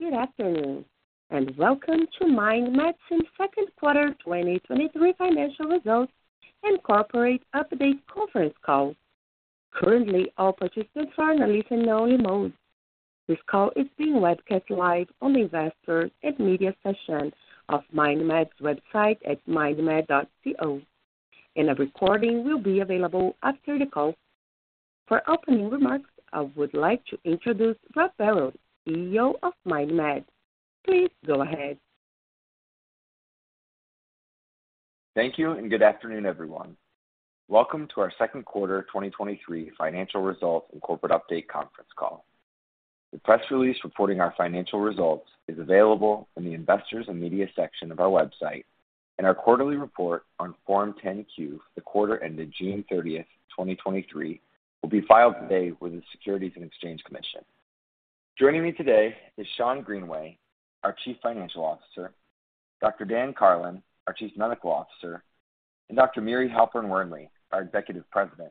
Good afternoon, and welcome to MindMed's Second Quarter 2023 Financial Results and Corporate Update Conference Call. Currently, all participants are in a listen-only mode. This call is being webcast live on the Investors & Media section of MindMed's website at mindmed.co, and a recording will be available after the call. For opening remarks, I would like to introduce Rob Barrow, CEO of MindMed. Please go ahead. Thank you, and good afternoon, everyone. Welcome to our second quarter 2023 financial results and corporate update conference call. The press release reporting our financial results is available in the Investors & Media section of our website, and our quarterly report on Form 10-Q for the quarter ended June 30th, 2023, will be filed today with the Securities and Exchange Commission. Joining me today is Schond Greenway, our Chief Financial Officer, Dr. Dan Karlin, our Chief Medical Officer, and Dr. Miri Halperin-Wernli, our Executive President.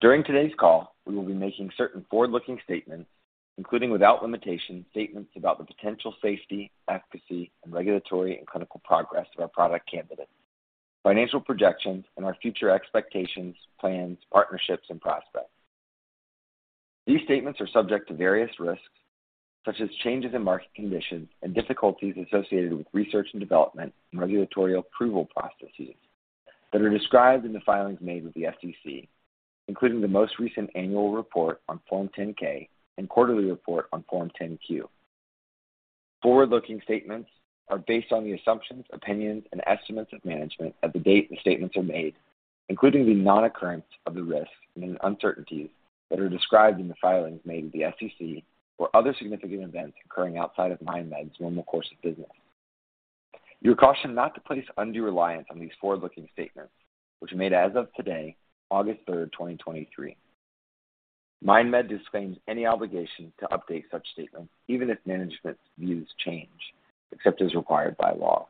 During today's call, we will be making certain forward-looking statements, including, without limitation, statements about the potential safety, efficacy, and regulatory and clinical progress of our product candidates, financial projections, and our future expectations, plans, partnerships, and prospects. These statements are subject to various risks, such as changes in market conditions and difficulties associated with research and development and regulatory approval processes that are described in the filings made with the SEC, including the most recent annual report on Form 10-K and quarterly report on Form 10-Q. Forward-looking statements are based on the assumptions, opinions, and estimates of management at the date the statements are made, including the non-occurrence of the risks and uncertainties that are described in the filings made with the SEC or other significant events occurring outside of MindMed's normal course of business. You are cautioned not to place undue reliance on these forward-looking statements, which are made as of today, August 3rd, 2023. MindMed disclaims any obligation to update such statements, even if management's views change, except as required by law.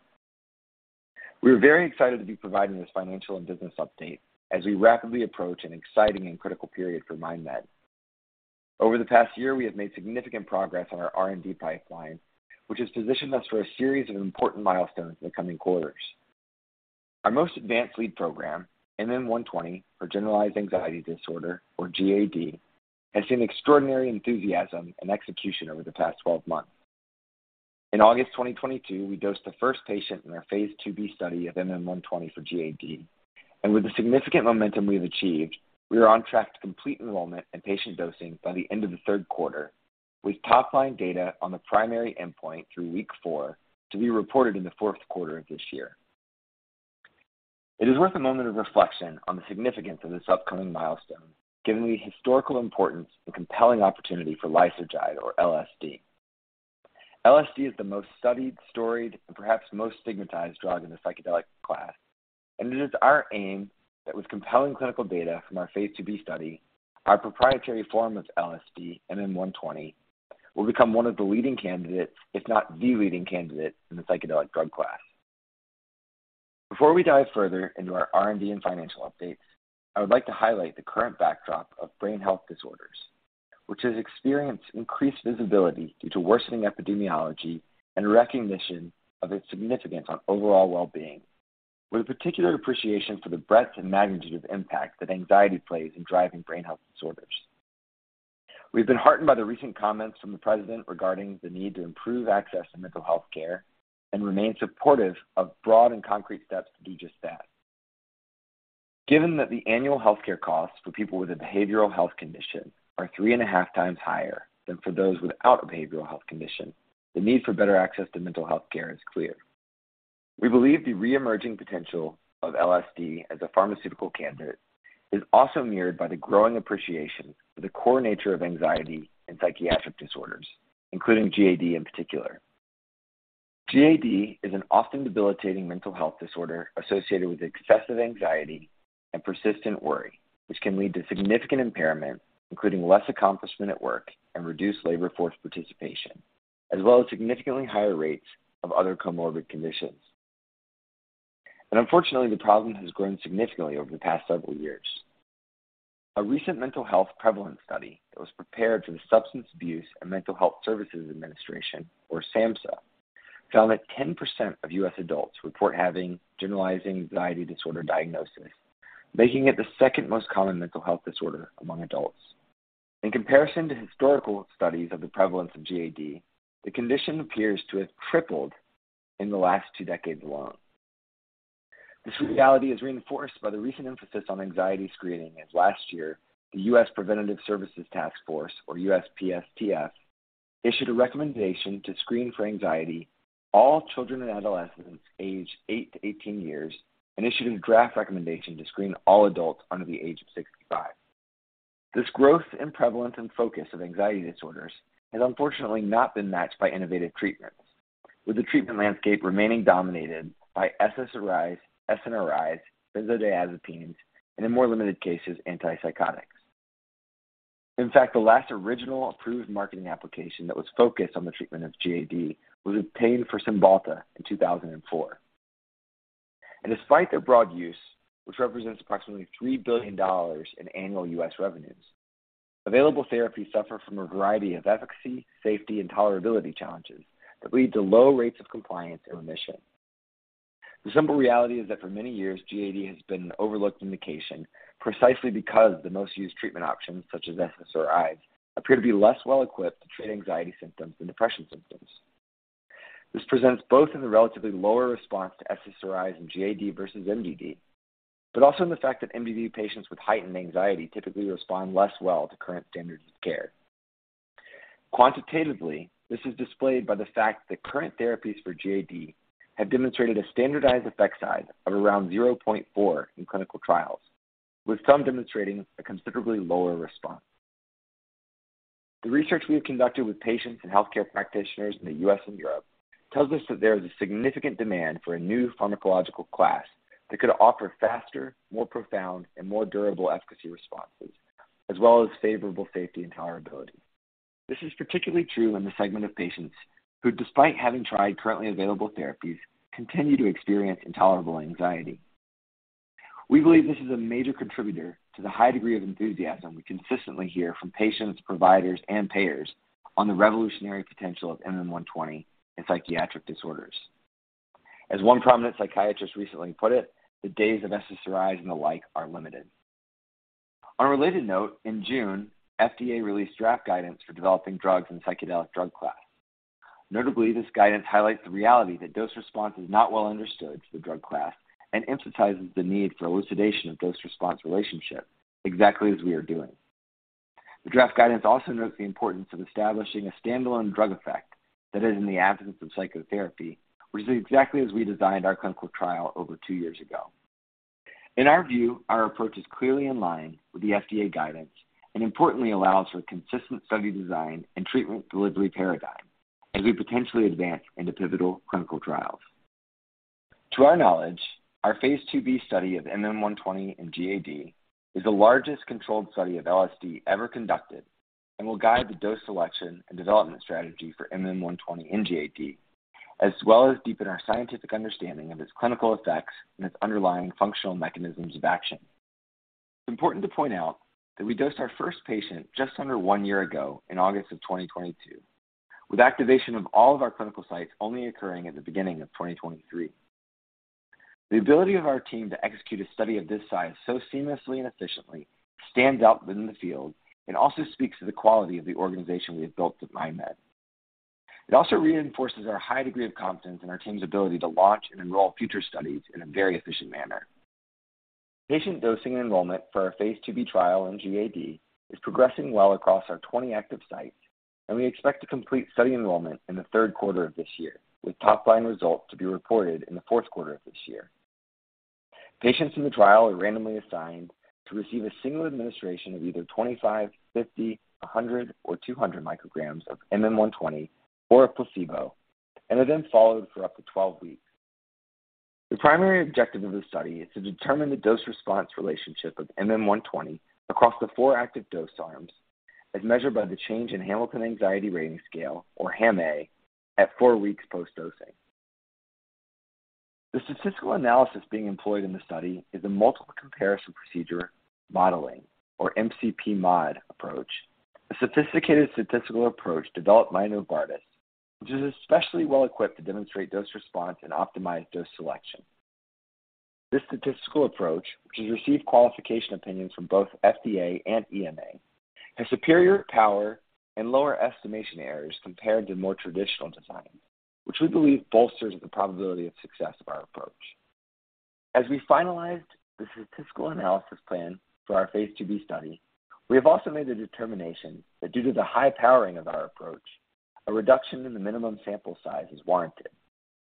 We are very excited to be providing this financial and business update as we rapidly approach an exciting and critical period for MindMed. Over the past year, we have made significant progress on our R&D pipeline, which has positioned us for a series of important milestones in the coming quarters. Our most advanced lead program, MM120 for generalized anxiety disorder or GAD, has seen extraordinary enthusiasm and execution over the past 12 months. In August 2022, we dosed the first patient in our Phase 2b study of MM120 for GAD. With the significant momentum we have achieved, we are on track to complete enrollment and patient dosing by the end of the third quarter, with top-line data on the primary endpoint through week four to be reported in the fourth quarter of this year. It is worth a moment of reflection on the significance of this upcoming milestone, given the historical importance and compelling opportunity for lysergide or LSD. LSD is the most studied, storied, and perhaps most stigmatized drug in the psychedelic class. It is our aim that with compelling clinical data from our Phase 2b study, our proprietary form of LSD, MM120, will become one of the leading candidates, if not the leading candidate, in the psychedelic drug class. Before we dive further into our R&D and financial updates, I would like to highlight the current backdrop of brain health disorders, which has experienced increased visibility due to worsening epidemiology and recognition of its significance on overall well-being, with a particular appreciation for the breadth and magnitude of impact that anxiety plays in driving brain health disorders. We've been heartened by the recent comments from the President regarding the need to improve access to mental health care and remain supportive of broad and concrete steps to do just that. Given that the annual healthcare costs for people with a behavioral health condition are 3.5 times higher than for those without a behavioral health condition, the need for better access to mental health care is clear. We believe the re-emerging potential of LSD as a pharmaceutical candidate is also mirrored by the growing appreciation for the core nature of anxiety and psychiatric disorders, including GAD in particular. GAD is an often debilitating mental health disorder associated with excessive anxiety and persistent worry, which can lead to significant impairment, including less accomplishment at work and reduced labor force participation, as well as significantly higher rates of other comorbid conditions. Unfortunately, the problem has grown significantly over the past several years. A recent mental health prevalence study that was prepared for the Substance Abuse and Mental Health Services Administration, or SAMHSA, found that 10% of U.S. adults report having generalized anxiety disorder diagnosis, making it the second most common mental health disorder among adults. In comparison to historical studies of the prevalence of GAD, the condition appears to have tripled in the last two decades alone. This reality is reinforced by the recent emphasis on anxiety screening, as last year, the U.S. Preventive Services Task Force, or USPSTF, issued a recommendation to screen for anxiety all children and adolescents aged 8-18 years, and issued a draft recommendation to screen all adults under the age of 65. This growth in prevalence and focus of anxiety disorders has unfortunately not been matched by innovative treatments, with the treatment landscape remaining dominated by SSRIs, SNRIs, benzodiazepines, and in more limited cases, antipsychotics. In fact, the last original approved marketing application that was focused on the treatment of GAD was obtained for Cymbalta in 2004. Despite their broad use, which represents approximately $3 billion in annual U.S. revenues, available therapies suffer from a variety of efficacy, safety, and tolerability challenges that lead to low rates of compliance and remission. The simple reality is that for many years, GAD has been an overlooked indication, precisely because the most used treatment options, such as SSRIs, appear to be less well-equipped to treat anxiety symptoms than depression symptoms. This presents both in the relatively lower response to SSRIs in GAD versus MDD, also in the fact that MDD patients with heightened anxiety typically respond less well to current standards of care. Quantitatively, this is displayed by the fact that current therapies for GAD have demonstrated a standardized effect size of around 0.4 in clinical trials, with some demonstrating a considerably lower response. The research we have conducted with patients and healthcare practitioners in the U.S. and Europe tells us that there is a significant demand for a new pharmacological class that could offer faster, more profound, and more durable efficacy responses, as well as favorable safety and tolerability. This is particularly true in the segment of patients who, despite having tried currently available therapies, continue to experience intolerable anxiety. We believe this is a major contributor to the high degree of enthusiasm we consistently hear from patients, providers, and payers on the revolutionary potential of MM120 in psychiatric disorders. As one prominent psychiatrist recently put it, "The days of SSRIs and the like are limited." On a related note, in June, FDA released draft guidance for developing drugs in the psychedelic drug class. Notably, this guidance highlights the reality that dose response is not well understood to the drug class and emphasizes the need for elucidation of dose response relationship, exactly as we are doing. The draft guidance also notes the importance of establishing a standalone drug effect that is in the absence of psychotherapy, which is exactly as we designed our clinical trial over two years ago. In our view, our approach is clearly in line with the FDA guidance and importantly, allows for consistent study design and treatment delivery paradigm as we potentially advance into pivotal clinical trials. To our knowledge, our Phase 2b study of MM120 in GAD is the largest controlled study of LSD ever conducted and will guide the dose selection and development strategy for MM120 in GAD, as well as deepen our scientific understanding of its clinical effects and its underlying functional mechanisms of action. It's important to point out that we dosed our first patient just under one year ago in August of 2022, with activation of all of our clinical sites only occurring at the beginning of 2023. The ability of our team to execute a study of this size so seamlessly and efficiently stands out within the field and also speaks to the quality of the organization we have built with MindMed. It also reinforces our high degree of confidence in our team's ability to launch and enroll future studies in a very efficient manner. Patient dosing and enrollment for our Phase 2b trial in GAD is progressing well across our 20 active sites, and we expect to complete study enrollment in the third quarter of this year, with top-line results to be reported in the fourth quarter of this year. Patients in the trial are randomly assigned to receive a single administration of either 25, 50, 100, or 200 micrograms of MM120 or a placebo and are then followed for up to 12 weeks. The primary objective of the study is to determine the dose response relationship of MM120 across the four active dose arms, as measured by the change in Hamilton Anxiety Rating Scale, or HAM-A, at four weeks post-dosing. The statistical analysis being employed in the study is a multiple comparison procedure, modeling or MCPMod approach, a sophisticated statistical approach developed by Novartis, which is especially well equipped to demonstrate dose response and optimize dose selection. This statistical approach, which has received qualification opinions from both FDA and EMA, has superior power and lower estimation errors compared to more traditional designs, which we believe bolsters the probability of success of our approach. As we finalized the statistical analysis plan for our Phase 2b study, we have also made the determination that due to the high powering of our approach, a reduction in the minimum sample size is warranted.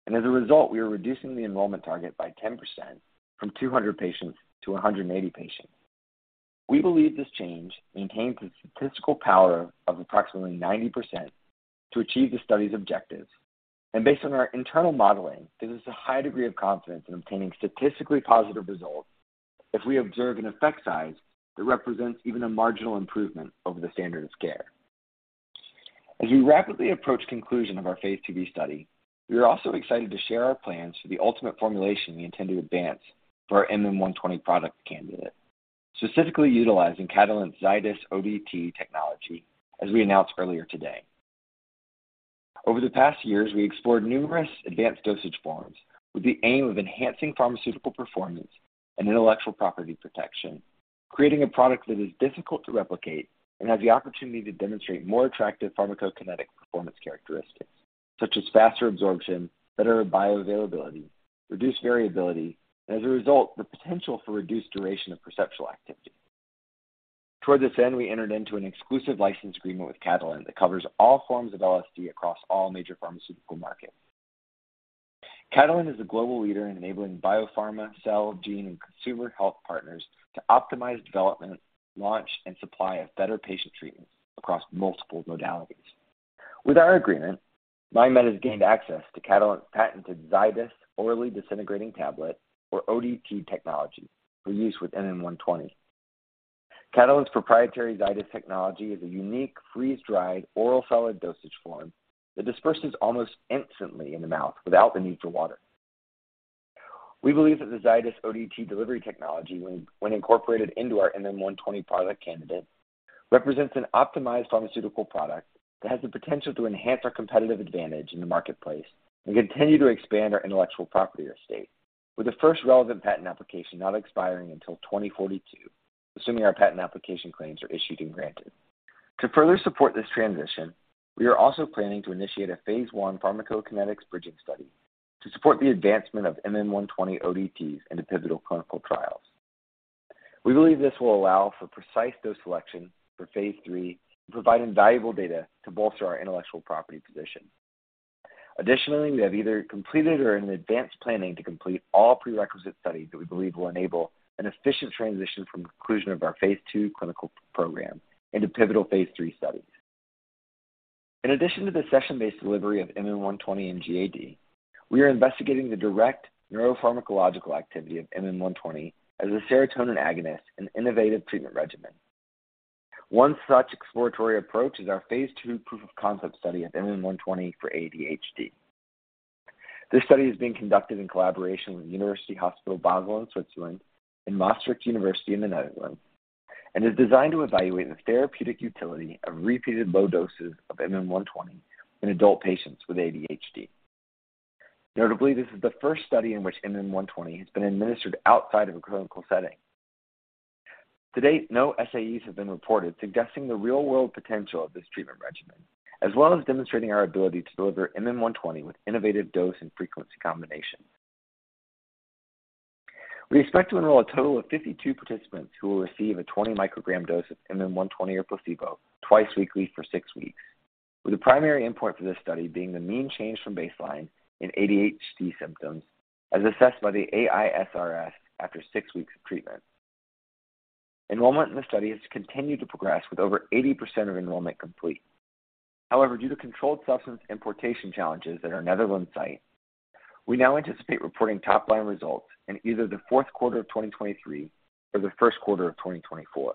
As a result, we are reducing the enrollment target by 10% from 200 patients to 180 patients. We believe this change maintains a statistical power of approximately 90% to achieve the study's objectives. Based on our internal modeling, gives us a high degree of confidence in obtaining statistically positive results if we observe an effect size that represents even a marginal improvement over the standard of care. As we rapidly approach conclusion of our Phase 2b study, we are also excited to share our plans for the ultimate formulation we intend to advance for our MM120 product candidate, specifically utilizing Catalent's Zydis ODT technology, as we announced earlier today. Over the past years, we explored numerous advanced dosage forms with the aim of enhancing pharmaceutical performance and intellectual property protection, creating a product that is difficult to replicate and has the opportunity to demonstrate more attractive pharmacokinetic performance characteristics such as faster absorption, better bioavailability, reduced variability, and as a result, the potential for reduced duration of perceptual activity. Towards this end, we entered into an exclusive license agreement with Catalent that covers all forms of LSD across all major pharmaceutical markets. Catalent is a global leader in enabling biopharma, cell, gene, and consumer health partners to optimize development, launch, and supply of better patient treatments across multiple modalities. With our agreement, MindMed has gained access to Catalent's patented Zydis orally disintegrating tablet, or ODT technology for use with MM120. Catalent's proprietary Zydis technology is a unique, freeze-dried oral solid dosage form that disperses almost instantly in the mouth without the need for water. We believe that the Zydis ODT delivery technology, when incorporated into our MM120 product candidate, represents an optimized pharmaceutical product that has the potential to enhance our competitive advantage in the marketplace and continue to expand our intellectual property estate, with the first relevant patent application not expiring until 2042, assuming our patent application claims are issued and granted. To further support this transition, we are also planning to initiate a phase I pharmacokinetics bridging study to support the advancement of MM120 ODTs into pivotal clinical trials. We believe this will allow for precise dose selection for phase III, providing valuable data to bolster our intellectual property position. Additionally, we have either completed or are in advanced planning to complete all prerequisite studies that we believe will enable an efficient transition from conclusion of our phase II clinical program into pivotal phase III studies. In addition to the session-based delivery of MM120 and GAD, we are investigating the direct neuropharmacological activity of MM120 as a serotonin agonist and innovative treatment regimen. One such exploratory approach is our phase II proof of concept study of MM120 for ADHD. This study is being conducted in collaboration with University Hospital Basel in Switzerland and Maastricht University in the Netherlands, and is designed to evaluate the therapeutic utility of repeated low doses of MM120 in adult patients with ADHD. Notably, this is the first study in which MM120 has been administered outside of a clinical setting. To date, no SAEs have been reported, suggesting the real-world potential of this treatment regimen, as well as demonstrating our ability to deliver MM120 with innovative dose and frequency combinations. We expect to enroll a total of 52 participants who will receive a 20 microgram dose of MM120 or placebo twice weekly for six weeks, with the primary endpoint for this study being the mean change from baseline in ADHD symptoms, as assessed by the AISRS after six weeks of treatment. Enrollment in the study has continued to progress, with over 80% of enrollment complete. However, due to controlled substance importation challenges at our Netherlands site, we now anticipate reporting top-line results in either the fourth quarter of 2023 or the first quarter of 2024.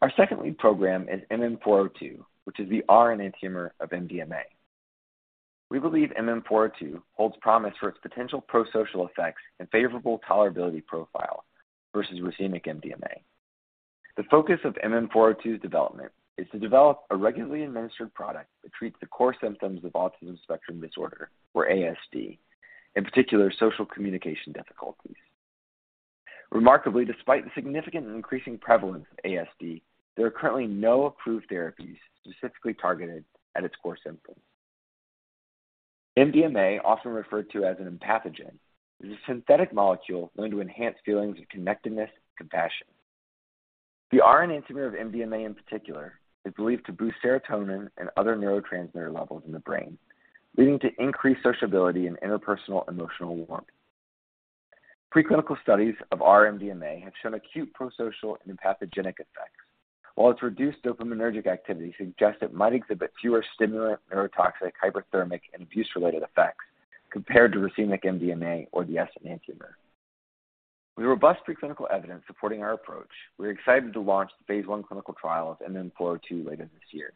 Our second lead program is MM402, which is the R enantiomer of MDMA. We believe MM402 holds promise for its potential prosocial effects and favorable tolerability profile versus racemic MDMA. The focus of MM402's development is to develop a regularly administered product that treats the core symptoms of autism spectrum disorder, or ASD, in particular, social communication difficulties. Remarkably, despite the significant and increasing prevalence of ASD, there are currently no approved therapies specifically targeted at its core symptoms. MDMA, often referred to as an empathogen, is a synthetic molecule known to enhance feelings of connectedness and compassion. The R enantiomer of MDMA, in particular, is believed to boost serotonin and other neurotransmitter levels in the brain, leading to increased sociability and interpersonal emotional warmth. Preclinical studies of R-MDMA have shown acute prosocial and empathogenic effects, while its reduced dopaminergic activity suggests it might exhibit fewer stimulant, neurotoxic, hyperthermic, and abuse-related effects compared to racemic MDMA or the S enantiomer. With robust preclinical evidence supporting our approach, we are excited to launch the phase I clinical trial of MM402 later this year.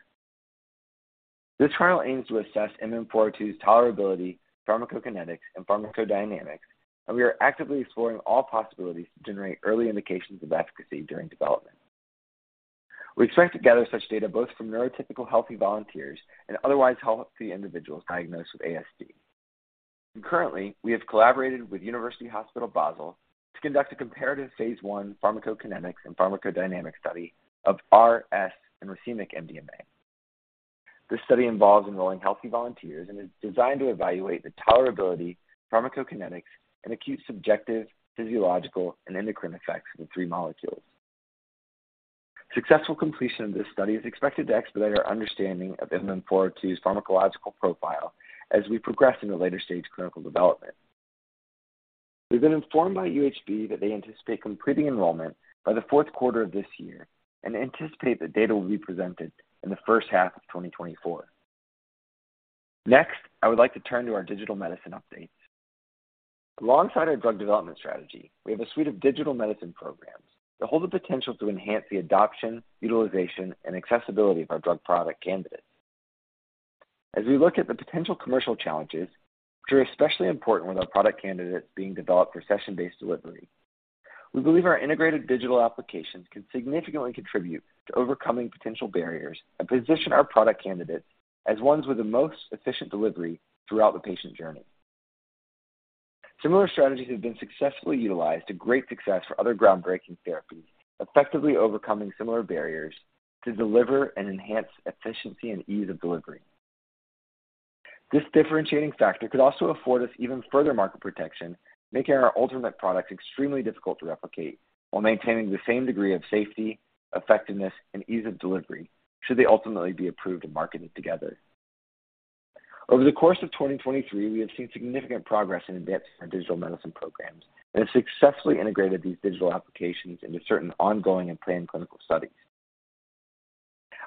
This trial aims to assess MM402's tolerability, pharmacokinetics, and pharmacodynamics, and we are actively exploring all possibilities to generate early indications of efficacy during development. We expect to gather such data both from neurotypical healthy volunteers and otherwise healthy individuals diagnosed with ASD. Concurrently, we have collaborated with University Hospital Basel to conduct a comparative phase I pharmacokinetics and pharmacodynamics study of R, S, and racemic MDMA. This study involves enrolling healthy volunteers and is designed to evaluate the tolerability, pharmacokinetics, and acute subjective, physiological, and endocrine effects of the three molecules. Successful completion of this study is expected to expedite our understanding of MM402's pharmacological profile as we progress into later-stage clinical development. We've been informed by UHB that they anticipate completing enrollment by the fourth quarter of this year and anticipate that data will be presented in the first half of 2024. I would like to turn to our digital medicine updates. Alongside our drug development strategy, we have a suite of digital medicine programs that hold the potential to enhance the adoption, utilization, and accessibility of our drug product candidates. As we look at the potential commercial challenges, which are especially important with our product candidates being developed for session-based delivery, we believe our integrated digital applications can significantly contribute to overcoming potential barriers and position our product candidates as ones with the most efficient delivery throughout the patient journey. Similar strategies have been successfully utilized to great success for other groundbreaking therapies, effectively overcoming similar barriers to deliver and enhance efficiency and ease of delivery. This differentiating factor could also afford us even further market protection, making our ultimate products extremely difficult to replicate while maintaining the same degree of safety, effectiveness, and ease of delivery, should they ultimately be approved and marketed together. Over the course of 2023, we have seen significant progress and advances in our digital medicine programs and have successfully integrated these digital applications into certain ongoing and planned clinical studies....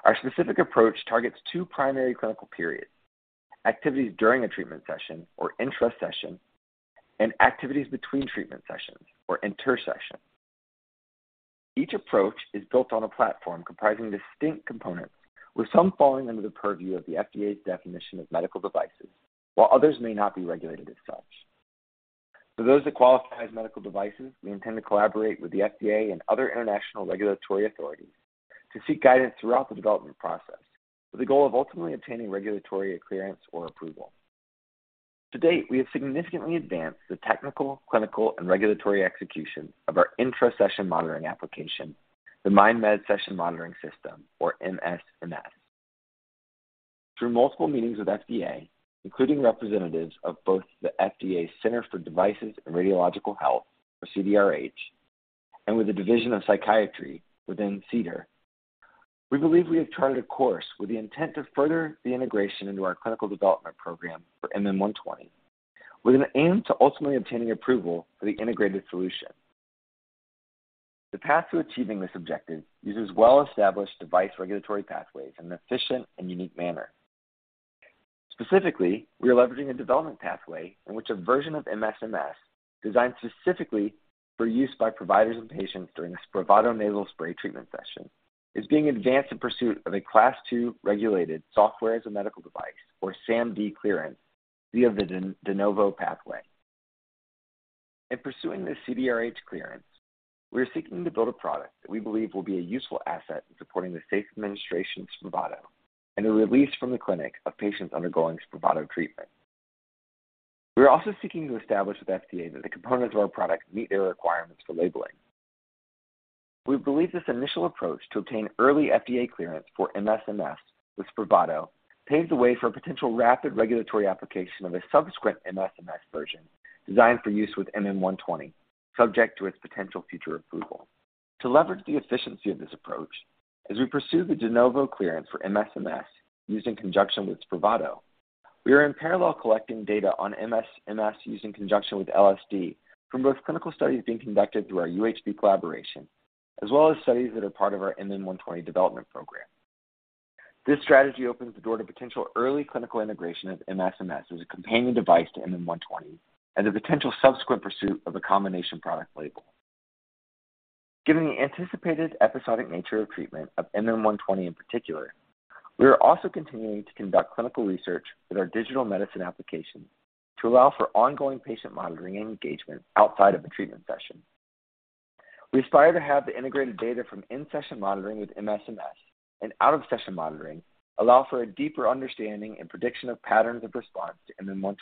Our specific approach targets two primary clinical periods: activities during a treatment session, or intra-session, and activities between treatment sessions, or inter-session. Each approach is built on a platform comprising distinct components, with some falling under the purview of the FDA's definition of medical devices, while others may not be regulated as such. For those that qualify as medical devices, we intend to collaborate with the FDA and other international regulatory authorities to seek guidance throughout the development process, with the goal of ultimately obtaining regulatory clearance or approval. To date, we have significantly advanced the technical, clinical, and regulatory execution of our intra-session monitoring application, the MindMed Session Monitoring System, or MSMS. Through multiple meetings with FDA, including representatives of both the FDA Center for Devices and Radiological Health, or CDRH, and with the Division of Psychiatry within CDER, we believe we have charted a course with the intent to further the integration into our clinical development program for MM120, with an aim to ultimately obtaining approval for the integrated solution. The path to achieving this objective uses well-established device regulatory pathways in an efficient and unique manner. Specifically, we are leveraging a development pathway in which a version of MSMS, designed specifically for use by providers and patients during the Spravato nasal spray treatment session, is being advanced in pursuit of a Class two regulated software as a medical device, or SaMD clearance, via the de novo pathway. In pursuing this CDRH clearance, we are seeking to build a product that we believe will be a useful asset in supporting the safe administration of Spravato and the release from the clinic of patients undergoing Spravato treatment. We are also seeking to establish with FDA that the components of our product meet their requirements for labeling. We believe this initial approach to obtain early FDA clearance for MSMS with Spravato paves the way for a potential rapid regulatory application of a subsequent MSMS version designed for use with MM120, subject to its potential future approval. To leverage the efficiency of this approach, as we pursue the de novo clearance for MSMS used in conjunction with Spravato, we are in parallel collecting data on MSMS used in conjunction with LSD from both clinical studies being conducted through our UHB collaboration, as well as studies that are part of our MM120 development program. This strategy opens the door to potential early clinical integration of MSMS as a companion device to MM120 and the potential subsequent pursuit of a combination product label. Given the anticipated episodic nature of treatment of MM120 in particular, we are also continuing to conduct clinical research with our digital medicine application to allow for ongoing patient monitoring and engagement outside of a treatment session. We aspire to have the integrated data from in-session monitoring with MSMS and out-of-session monitoring allow for a deeper understanding and prediction of patterns of response to MM120,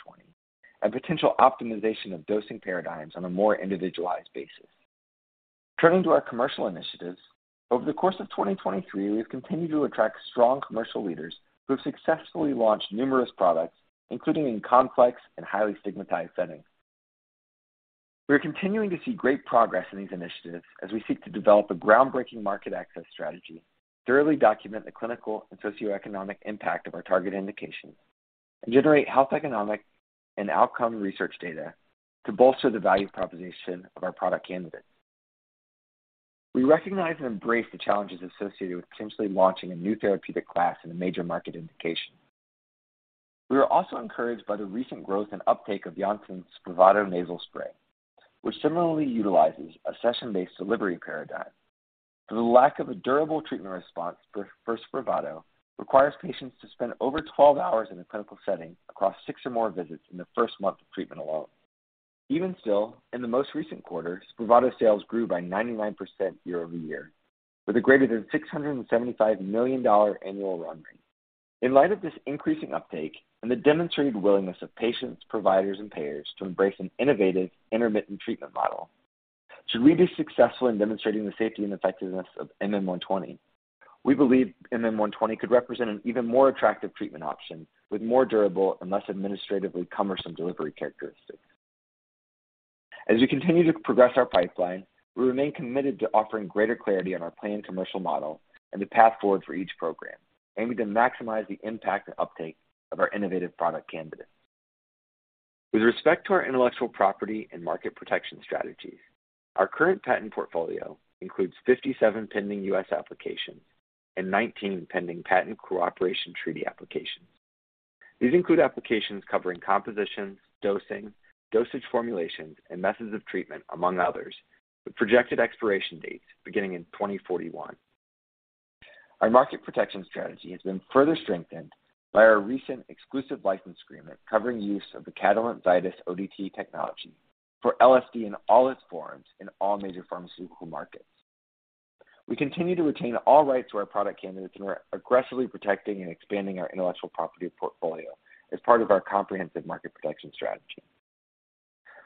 and potential optimization of dosing paradigms on a more individualized basis. Turning to our commercial initiatives, over the course of 2023, we have continued to attract strong commercial leaders who have successfully launched numerous products, including in complex and highly stigmatized settings. We are continuing to see great progress in these initiatives as we seek to develop a groundbreaking market access strategy, thoroughly document the clinical and socioeconomic impact of our target indications, and generate health, economic, and outcome research data to bolster the value proposition of our product candidates. We recognize and embrace the challenges associated with potentially launching a new therapeutic class in a major market indication. We are also encouraged by the recent growth and uptake of Janssen's Spravato nasal spray, which similarly utilizes a session-based delivery paradigm. Through the lack of a durable treatment response for Spravato, requires patients to spend over 12 hours in a clinical setting across six or more visits in the first month of treatment alone. Even still, in the most recent quarter, Spravato sales grew by 99% year-over-year, with a greater than $675 million annual run rate. In light of this increasing uptake and the demonstrated willingness of patients, providers, and payers to embrace an innovative intermittent treatment model, should we be successful in demonstrating the safety and effectiveness of MM120, we believe MM120 could represent an even more attractive treatment option, with more durable and less administratively cumbersome delivery characteristics. As we continue to progress our pipeline, we remain committed to offering greater clarity on our planned commercial model and the path forward for each program, aiming to maximize the impact and uptake of our innovative product candidates. With respect to our intellectual property and market protection strategies, our current patent portfolio includes 57 pending U.S. applications and 19 pending Patent Cooperation Treaty applications. These include applications covering compositions, dosing, dosage formulations, and methods of treatment, among others, with projected expiration dates beginning in 2041. Our market protection strategy has been further strengthened by our recent exclusive license agreement covering use of the Catalent Zydis ODT technology for LSD in all its forms in all major pharmaceutical markets. We continue to retain all rights to our product candidates, and we're aggressively protecting and expanding our intellectual property portfolio as part of our comprehensive market protection strategy.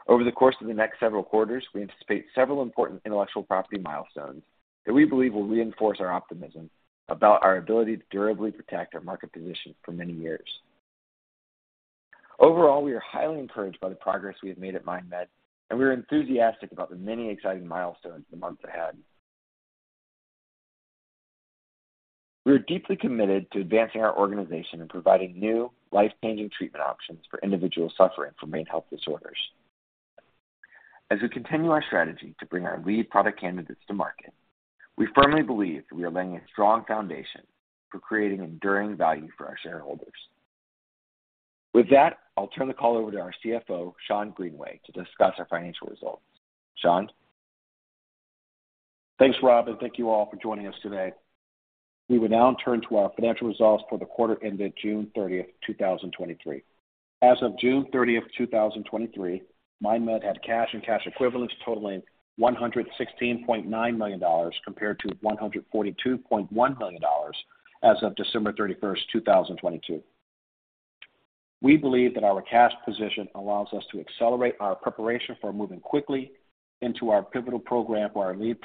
Over the course of the next several quarters, we anticipate several important intellectual property milestones that we believe will reinforce our optimism about our ability to durably protect our market position for many years. Overall, we are highly encouraged by the progress we have made at MindMed, and we are enthusiastic about the many exciting milestones in the months ahead. We are deeply committed to advancing our organization and providing new, life-changing treatment options for individuals suffering from brain health disorders....As we continue our strategy to bring our lead product candidates to market, we firmly believe that we are laying a strong foundation for creating enduring value for our shareholders. With that, I'll turn the call over to our CFO, Schond Greenway, to discuss our financial results. Schond? Thanks, Rob, and thank you all for joining us today. We will now turn to our financial results for the quarter ended June 30th, 2023. As of June 30th, 2023, MindMed had cash and cash equivalents totaling $116.9 million, compared to $142.1 million as of December 31st, 2022. We believe that our cash position allows us to accelerate our preparation for moving quickly into our pivotal program for our lead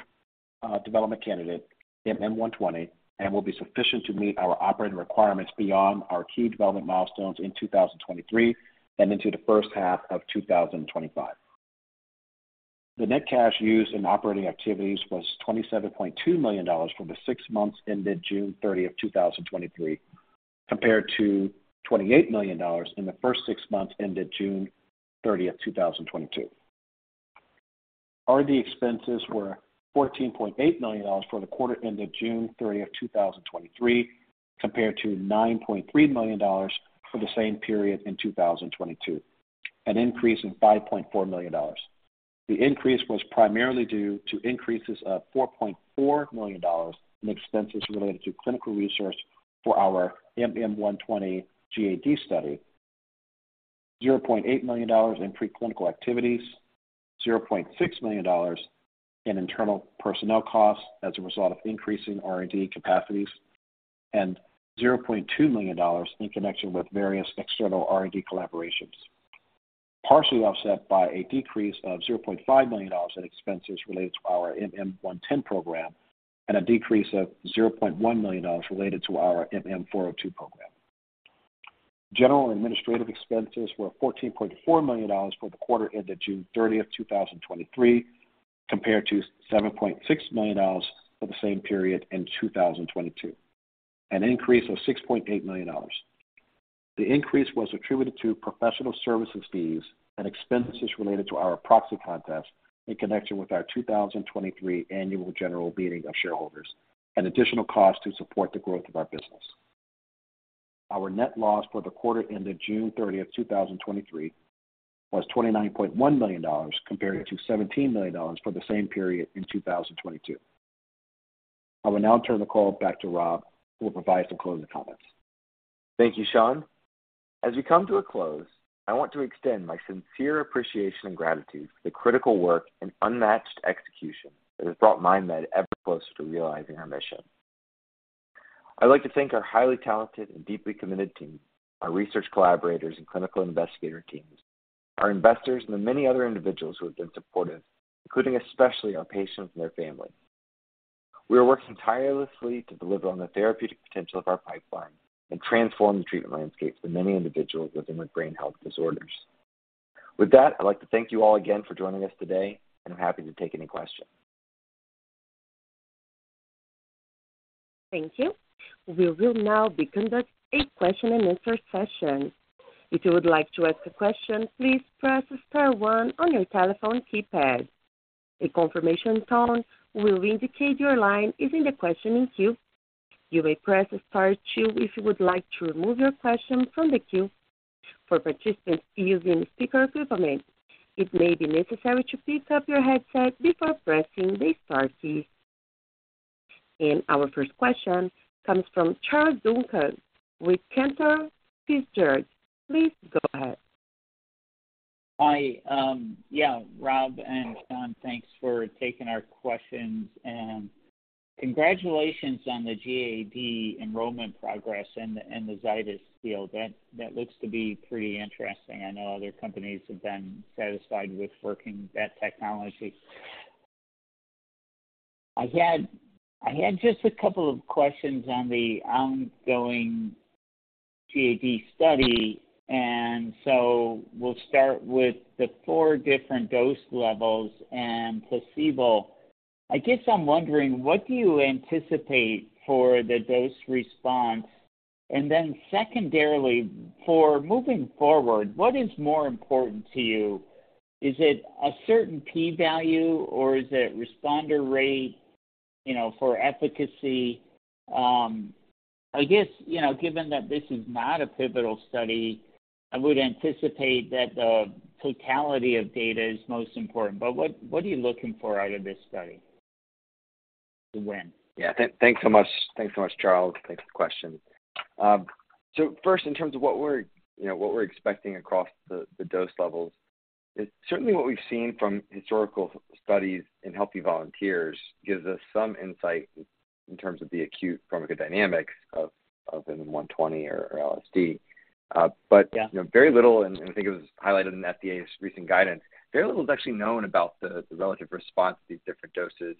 development candidate, MM120, and will be sufficient to meet our operating requirements beyond our key development milestones in 2023 and into the first half of 2025. The net cash used in operating activities was $27.2 million from the six months ended June 30th, 2023, compared to $28 million in the first six months ended June 30th, 2022. R&D expenses were $14.8 million for the quarter ended June 30th, 2023, compared to $9.3 million for the same period in 2022, an increase in $5.4 million. The increase was primarily due to increases of $4.4 million in expenses related to clinical research for our MM120 GAD study, $0.8 million in preclinical activities, $0.6 million in internal personnel costs as a result of increasing R&D capacities, and $0.2 million in connection with various external R&D collaborations. Partially offset by a decrease of $0.5 million in expenses related to our MM110 program and a decrease of $0.1 million related to our MM402 program. General administrative expenses were $14.4 million for the quarter ended June 30th, 2023, compared to $7.6 million for the same period in 2022, an increase of $6.8 million. The increase was attributed to professional services, fees, and expenses related to our proxy contest in connection with our 2023 annual general meeting of shareholders, and additional costs to support the growth of our business. Our net loss for the quarter ended June 30th, 2023, was $29.1 million, compared to $17 million for the same period in 2022. I will now turn the call back to Rob, who will provide some closing comments. Thank you, Schond. As we come to a close, I want to extend my sincere appreciation and gratitude for the critical work and unmatched execution that has brought MindMed ever closer to realizing our mission. I'd like to thank our highly talented and deeply committed team, our research collaborators and clinical investigator teams, our investors, and the many other individuals who have been supportive, including especially our patients and their families. We are working tirelessly to deliver on the therapeutic potential of our pipeline and transform the treatment landscape for many individuals living with brain health disorders. With that, I'd like to thank you all again for joining us today, and I'm happy to take any questions. Thank you. We will now conduct a question and answer session. If you would like to ask a question, please press star one on your telephone keypad. A confirmation tone will indicate your line is in the questioning queue. You may press star two if you would like to remove your question from the queue. For participants using speaker equipment, it may be necessary to pick up your headset before pressing the star key. Our first question comes from Charles Duncan with Cantor Fitzgerald. Please go ahead. Hi. Yeah, Rob and Schond, thanks for taking our questions. Congratulations on the GAD enrollment progress and the, and the Zydis deal. That, that looks to be pretty interesting. I know other companies have been satisfied with working that technology. I had, I had just a couple of questions on the ongoing GAD study. We'll start with the four different dose levels and placebo. I guess I'm wondering, what do you anticipate for the dose response? Secondarily, for moving forward, what is more important to you? Is it a certain P value, or is it responder rate, you know, for efficacy? I guess, you know, given that this is not a pivotal study, I would anticipate that the totality of data is most important. What, what are you looking for out of this study to win? Yeah. Thanks so much. Thanks so much, Charles. Thanks for the question. First, in terms of what we're, you know, what we're expecting across the, the dose levels, certainly what we've seen from historical studies in healthy volunteers gives us some insight in terms of the acute pharmacodynamics of MM120 or LSD. Yeah... you know, very little, and I think it was highlighted in the FDA's recent guidance, very little is actually known about the, the relative response to these different doses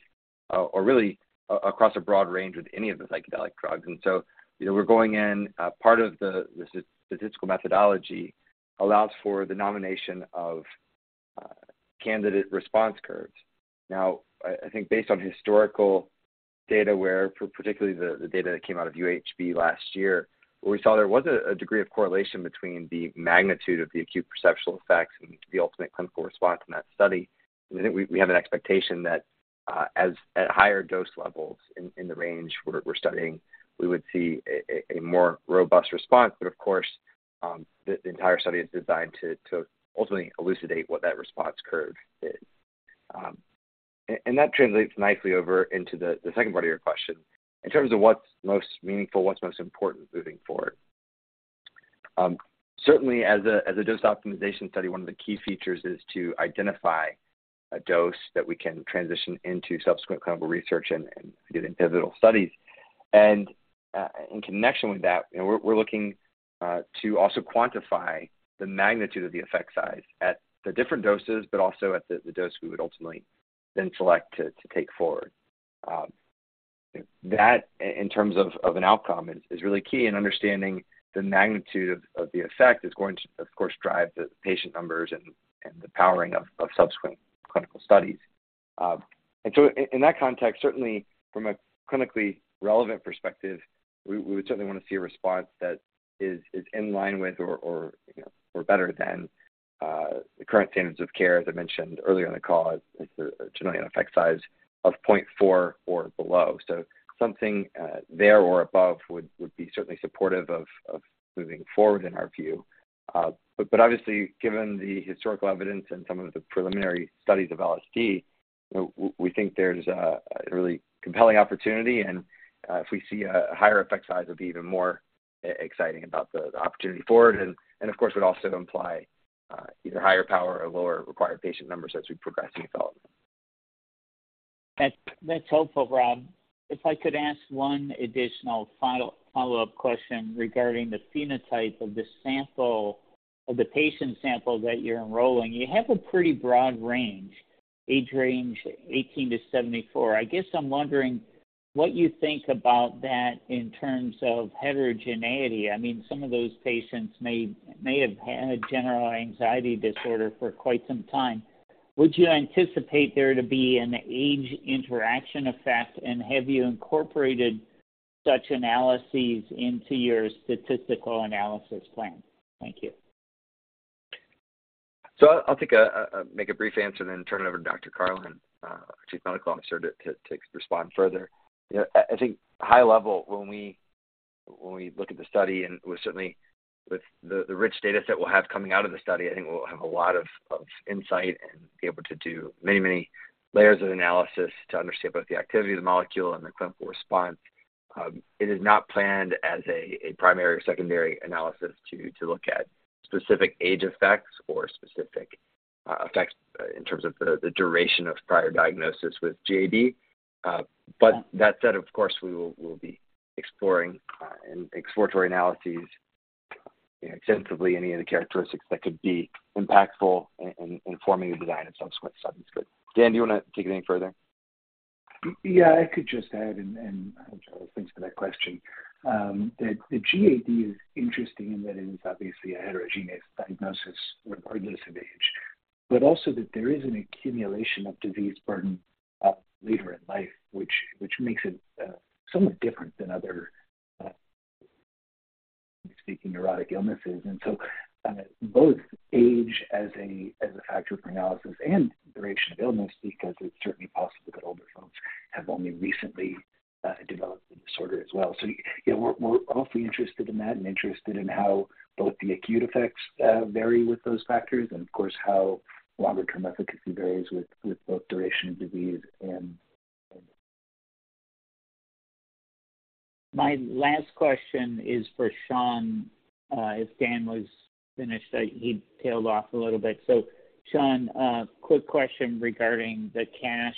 or, or really across a broad range with any of the psychedelic drugs. So, you know, we're going in, part of the statistical methodology allows for the nomination of candidate response curves. Now, I, I think based on historical data where, particularly the, the data that came out of UHB last year, where we saw there was a, a degree of correlation between the magnitude of the acute perceptual effects and the ultimate clinical response in that study. I think we, we have an expectation that as at higher dose levels in, in the range we're, we're studying, we would see a, a, a more robust response. Of course, the entire study is designed to ultimately elucidate what that response curve is. That translates nicely over into the second part of your question in terms of what's most meaningful, what's most important moving forward. Certainly as a dose optimization study, one of the key features is to identify a dose that we can transition into subsequent clinical research and get into pivotal studies. In connection with that, you know, we're looking to also quantify the magnitude of the effect size at the different doses, but also at the dose we would ultimately then select to take forward. That, in terms of, of an outcome, is, is really key in understanding the magnitude of, of the effect is going to, of course, drive the patient numbers and, and the powering of, of subsequent clinical studies. In that context, certainly from a clinically relevant perspective, we, we would certainly want to see a response that is, is in line with or, or, you know, or better than the current standards of care, as I mentioned earlier in the call, is the generally an effect size of 0.4 or below. Something there or above would, would be certainly supportive of, of moving forward in our view. Obviously, given the historical evidence and some of the preliminary studies of LSD, we think there's a really compelling opportunity, and if we see a higher effect size, it'll be even more exciting about the opportunity forward. Of course, would also imply either higher power or lower required patient numbers as we progress in development. That's, that's helpful, Rob. If I could ask one additional final follow-up question regarding the phenotype of the sample, of the patient sample that you're enrolling. You have a pretty broad range, age range, 18 to 74. I guess I'm wondering what you think about that in terms of heterogeneity. I mean, some of those patients may, may have had a general anxiety disorder for quite some time. Would you anticipate there to be an age interaction effect, and have you incorporated such analyses into your statistical analysis plan? Thank you. I'll make a brief answer and then turn it over to Dr. Karlin, our Chief Medical Officer, to respond further. You know, I think high level, when we look at the study, and we're certainly with the rich data set we'll have coming out of the study, I think we'll have a lot of insight and be able to do many, many layers of analysis to understand both the activity of the molecule and the clinical response. It is not planned as a primary or secondary analysis to look at specific age effects or specific effects in terms of the duration of prior diagnosis with GAD. That said, of course, we will, we'll be exploring, and exploratory analyses, extensively, any of the characteristics that could be impactful in, in forming the design of subsequent studies. Dan, do you want to take it any further? Yeah, I could just add, and, and Charles, thanks for that question. The GAD is interesting in that it is obviously a heterogeneous diagnosis regardless of age, but also that there is an accumulation of disease burden later in life, which makes it somewhat different than other speaking neurotic illnesses. Both age as a factor for analysis and duration of illness, because it's certainly possible that older folks have only recently developed the disorder as well. You know, we're awfully interested in that and interested in how both the acute effects vary with those factors and of course, how longer-term efficacy varies with both duration of disease. My last question is for Schond. If Dan was finished, He tailed off a little bit. Schond, quick question regarding the cash,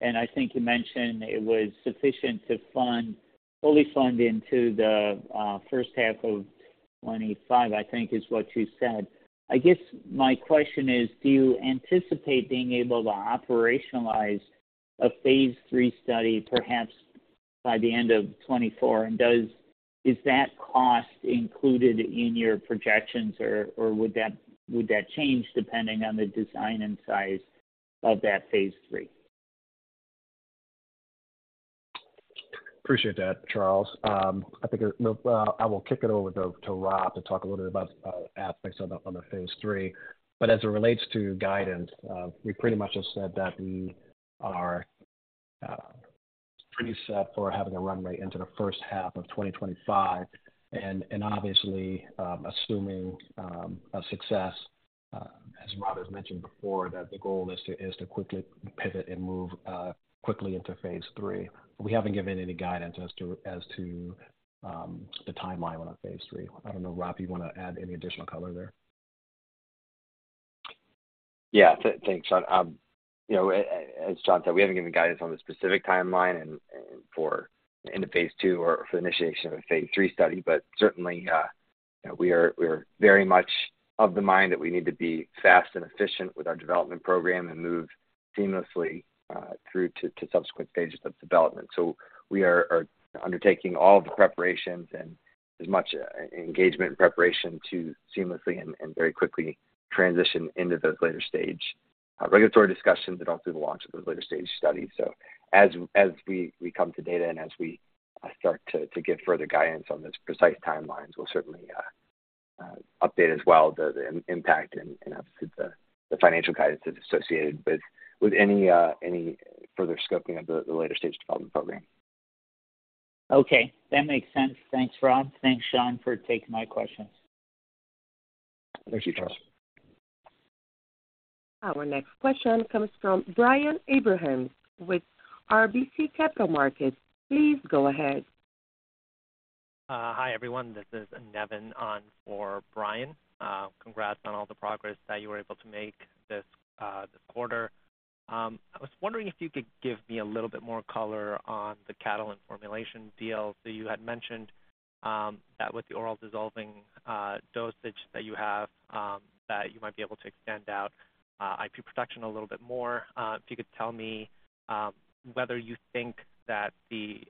and I think you mentioned it was sufficient to fund, fully fund into the, first half of 2025, I think is what you said. I guess my question is, do you anticipate being able to operationalize a phase III study, perhaps by the end of 2024? Is that cost included in your projections, or, or would that, would that change depending on the design and size of that phase III? Appreciate that, Charles. Well, I will kick it over to Rob to talk a little bit about aspects on the phase III. As it relates to guidance, we pretty much just said that we are pretty set for having a runway into the first half of 2025. Obviously, assuming a success, as Rob has mentioned before, that the goal is to quickly pivot and move quickly into phase III. We haven't given any guidance as to the timeline on a phase III. I don't know, Rob, you want to add any additional color there? Yeah. Thanks, Schond. You know, as Schond said, we haven't given guidance on the specific timeline and, and for into phase II or for the initiation of a phase III study. Certainly, we are, we are very much of the mind that we need to be fast and efficient with our development program and move seamlessly through to, to subsequent stages of development. We are, are undertaking all the preparations and as much engagement and preparation to seamlessly and, and very quickly transition into those later stage regulatory discussions that go through the launch of the later stage study. As we come to data and as we start to give further guidance on the precise timelines, we'll certainly update as well the impact and obviously the financial guidance that's associated with any further scoping of the later stage development program. Okay, that makes sense. Thanks, Rob. Thanks, Schond, for taking my questions. Thank you, Charles. Our next question comes from Brian Abrahams with RBC Capital Markets. Please go ahead. Hi, everyone. This is Nevin on for Brian. Congrats on all the progress that you were able to make this quarter. I was wondering if you could give me a little bit more color on the Catalent formulation deal that you had mentioned, that with the oral dissolving dosage that you have, that you might be able to extend out IP protection a little bit more. If you could tell me whether you think that the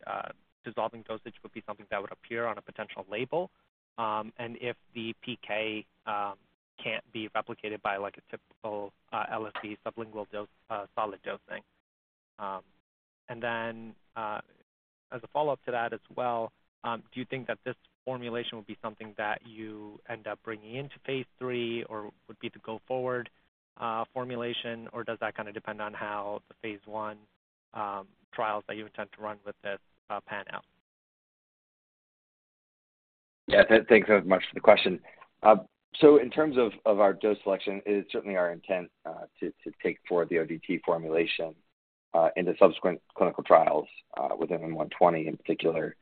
dissolving dosage would be something that would appear on a potential label, and if the PK can't be replicated by, like, a typical LSD sublingual dose, solid dosing. As a follow-up to that as well, do you think that this formulation would be something that you end up bringing into phase III, or would be the go-forward, formulation, or does that kind of depend on how the phase I, trials that you intend to run with this, pan out? Yeah, thanks so much for the question. In terms of our dose selection, it is certainly our intent to take forward the ODT formulation into subsequent clinical trials within 120, in particular,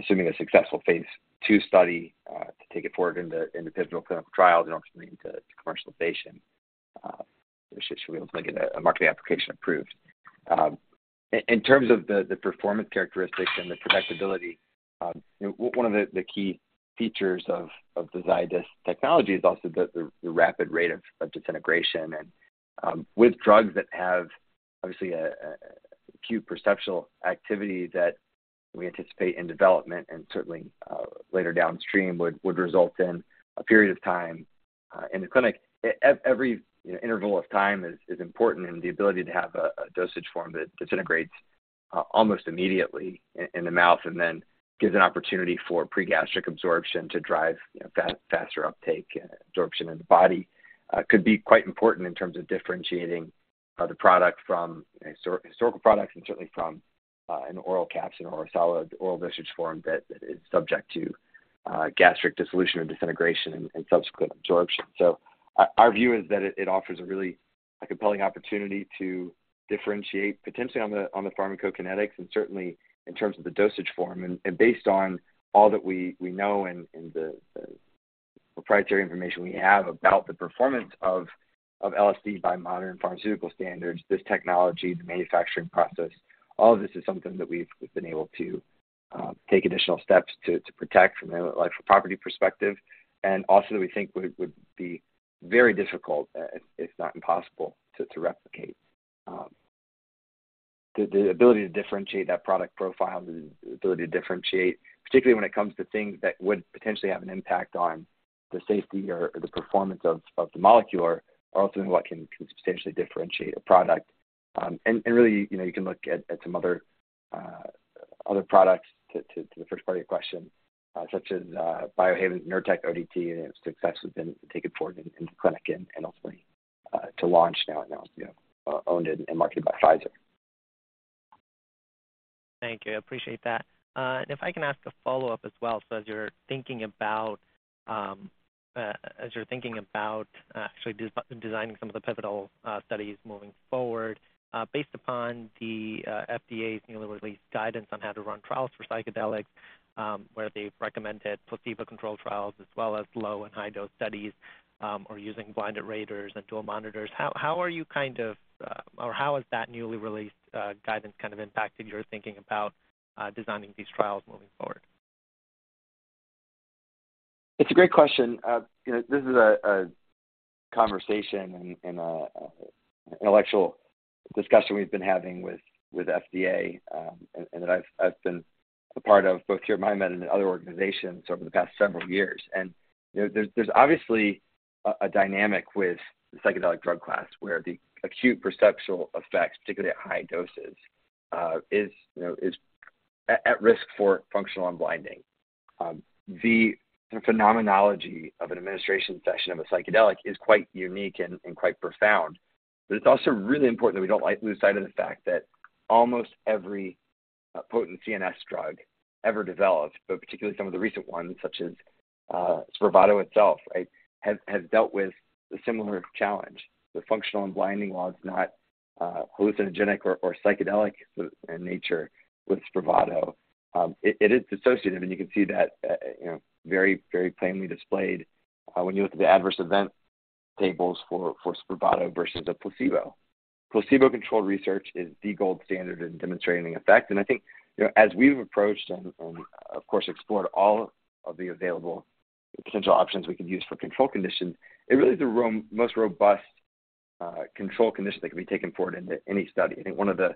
assuming a successful phase II study to take it forward into pivotal clinical trials and ultimately into commercialization. We should be able to get a marketing application approved. In terms of the performance characteristics and the protectability, one of the key features of the Zydis technology is also the rapid rate of disintegration. With drugs that have obviously a acute perceptual activity that we anticipate in development and certainly later downstream, would result in a period of time in the clinic. Every interval of time is important, and the ability to have a dosage form that disintegrates almost immediately in the mouth and then gives an opportunity for pre-gastric absorption to drive, you know, faster uptake and absorption in the body, could be quite important in terms of differentiating the product from historical products and certainly from an oral capsule or a solid oral dosage form that is subject to gastric dissolution or disintegration and subsequent absorption. Our view is that it offers a really compelling opportunity to differentiate potentially on the pharmacokinetics and certainly in terms of the dosage form. Based on all that we, we know and, and the, the proprietary information we have about the performance of, of LSD by modern pharmaceutical standards, this technology, the manufacturing process, all of this is something that we've been able to take additional steps to, to protect from a life property perspective, and also that we think would, would be very difficult, if not impossible, to, to replicate. The, the ability to differentiate that product profile, the ability to differentiate, particularly when it comes to things that would potentially have an impact on the safety or, or the performance of, of the molecule, are also what can substantially differentiate a product. Really, you know, you can look at, at some other, other products to, to, to the first part of your question, such as, Biohaven Nurtec ODT and its success has been taken forward in, in the clinic and, and hopefully, to launch now, now, owned and marketed by Pfizer. Thank you. I appreciate that. If I can ask a follow-up as well. As you're thinking about, as you're thinking about, actually designing some of the pivotal studies moving forward, based upon the FDA's newly released guidance on how to run trials for psychedelics, where they've recommended placebo-controlled trials, as well as low and high dose studies, or using blinded raters and dual monitors, how, how are you kind of, or how has that newly released guidance kind of impacted your thinking about designing these trials moving forward? It's a great question. you know, this is a, a conversation and, and intellectual discussion we've been having with, with FDA, and that I've, I've been a part of both here at MindMed and other organizations over the past several years. you know, there's, there's obviously a, a dynamic with the psychedelic drug class, where the acute perceptual effects, particularly at high doses, is, you know, is at, at risk for functional unblinding. The phenomenology of an administration session of a psychedelic is quite unique and, and quite profound. It's also really important that we don't like lose sight of the fact that almost every potent CNS drug ever developed, but particularly some of the recent ones, such as Spravato itself, right, has, has dealt with a similar challenge. The functional unblinding, while it's not hallucinogenic or, or psychedelic in nature with Spravato, it, it is dissociative, and you can see that, you know, very, very plainly displayed when you look at the adverse event tables for, for Spravato versus a placebo. Placebo-controlled research is the gold standard in demonstrating effect, and I think, you know, as we've approached and, and of course, explored all of the available potential options we could use for control conditions, it really is the most robust control condition that can be taken forward into any study. I think one of the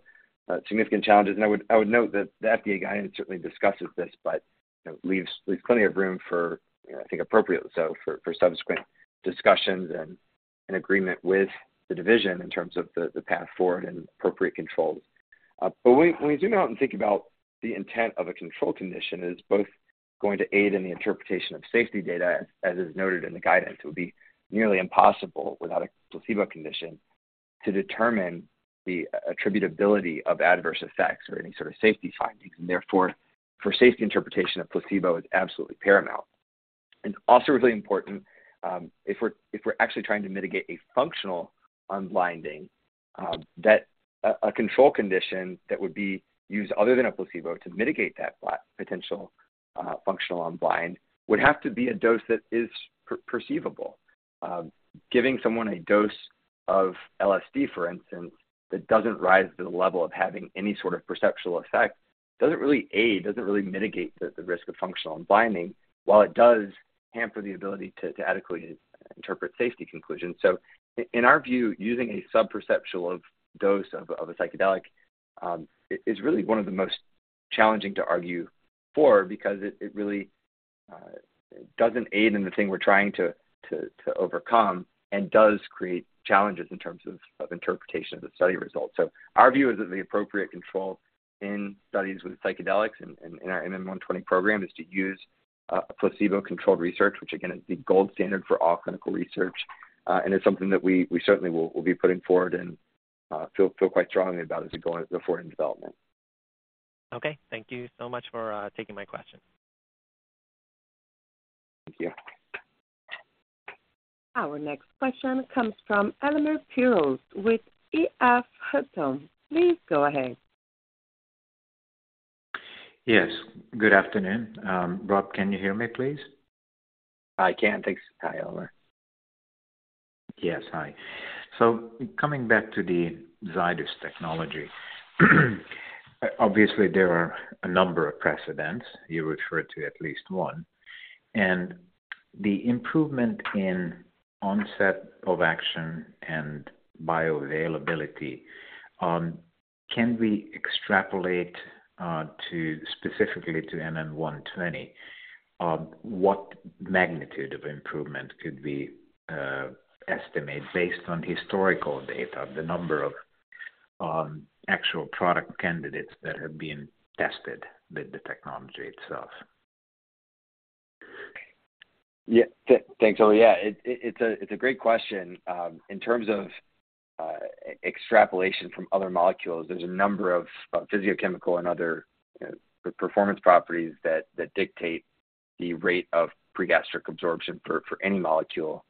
significant challenges, and I would, I would note that the FDA guidance certainly discusses this, but, you know, leaves, leaves plenty of room for, you know, I think appropriately so, for, for subsequent discussions and, and agreement with the division in terms of the, the path forward and appropriate controls. When, when we do not and think about the intent of a control condition, it is both going to aid in the interpretation of safety data, as is noted in the guidance. It would be nearly impossible without a placebo condition to determine the attributability of adverse effects or any sort of safety findings. Therefore, for safety interpretation of placebo is absolutely paramount. Also really important, if we're, if we're actually trying to mitigate a functional unblinding, that a control condition that would be used other than a placebo to mitigate that potential functional unblind would have to be a dose that is perceivable. Giving someone a dose of LSD, for instance, that doesn't rise to the level of having any sort of perceptual effect, doesn't really aid, doesn't really mitigate the risk of functional unblinding, while it does hamper the ability to adequately interpret safety conclusions. In our view, using a sub-perceptual dose of a psychedelic, is really one of the most challenging to argue for, because it really doesn't aid in the thing we're trying to overcome and does create challenges in terms of interpretation of the study results. Our view is that the appropriate control in studies with psychedelics and, and in our MM120 program, is to use a, a placebo-controlled research, which again, is the gold standard for all clinical research. It's something that we, we certainly will, will be putting forward and, feel, feel quite strongly about as we go forward in development. Okay. Thank you so much for, taking my question. Thank you. Our next question comes from Elemer Piros with EF Hutton. Please go ahead. Yes, good afternoon. Rob, can you hear me, please? I can. Thanks. Hi, Elemer. Yes. Hi. Coming back to the Zydis technology, obviously, there are a number of precedents. You referred to at least one, and the improvement in onset of action and bioavailability, can we extrapolate, to specifically to MM120? What magnitude of improvement could we estimate based on historical data, the number of actual product candidates that have been tested with the technology itself? Yeah. Thanks. Yeah, it's a great question. In terms of extrapolation from other molecules, there's a number of physicochemical and other performance properties that dictate the rate of pre-gastric absorption for any molecule.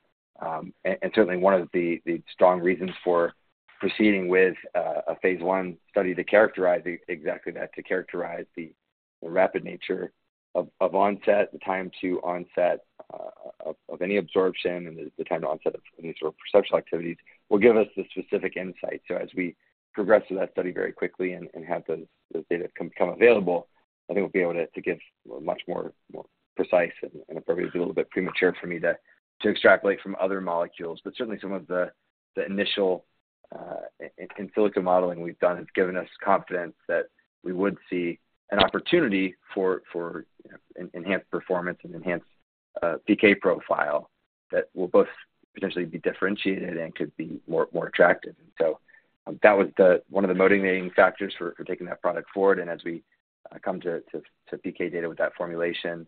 Certainly one of the strong reasons for proceeding with a phase I study to characterize exactly that, to characterize the rapid nature of onset, the time to onset of any absorption, and the time to onset of any sort of perceptual activities will give us the specific insight. As we progress through that study very quickly and have those data become available, I think we'll be able to give a much more precise and appropriate. It's a little bit premature for me to extrapolate from other molecules, but certainly some of the initial in silico modeling we've done has given us confidence that we would see an opportunity for enhanced performance and enhanced PK profile that will both potentially be differentiated and could be more, more attractive. That was the one of the motivating factors for taking that product forward. As we come to PK data with that formulation,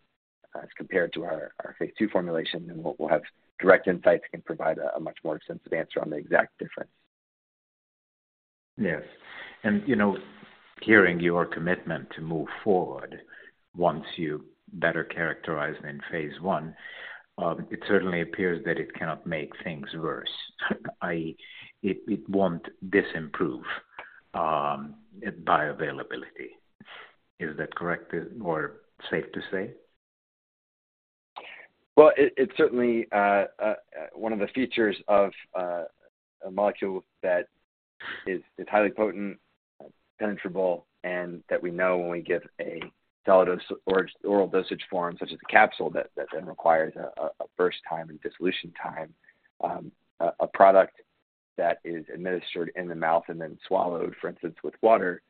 as compared to our, our phase II formulation, then we'll, we'll have direct insights and can provide a, a much more extensive answer on the exact difference. Yes. You know, hearing your commitment to move forward once you better characterize in phase I, it certainly appears that it cannot make things worse. It, it won't disimprove, bioavailability. Is that correct or safe to say? Well, it, it's certainly, one of the features of, a molecule that is, is highly potent, penetrable, and that we know when we give a solid dose or oral dosage form, such as a capsule, that, that then requires a, a, a burst time and dissolution time. A, a product that is administered in the mouth and then swallowed, for instance, with water,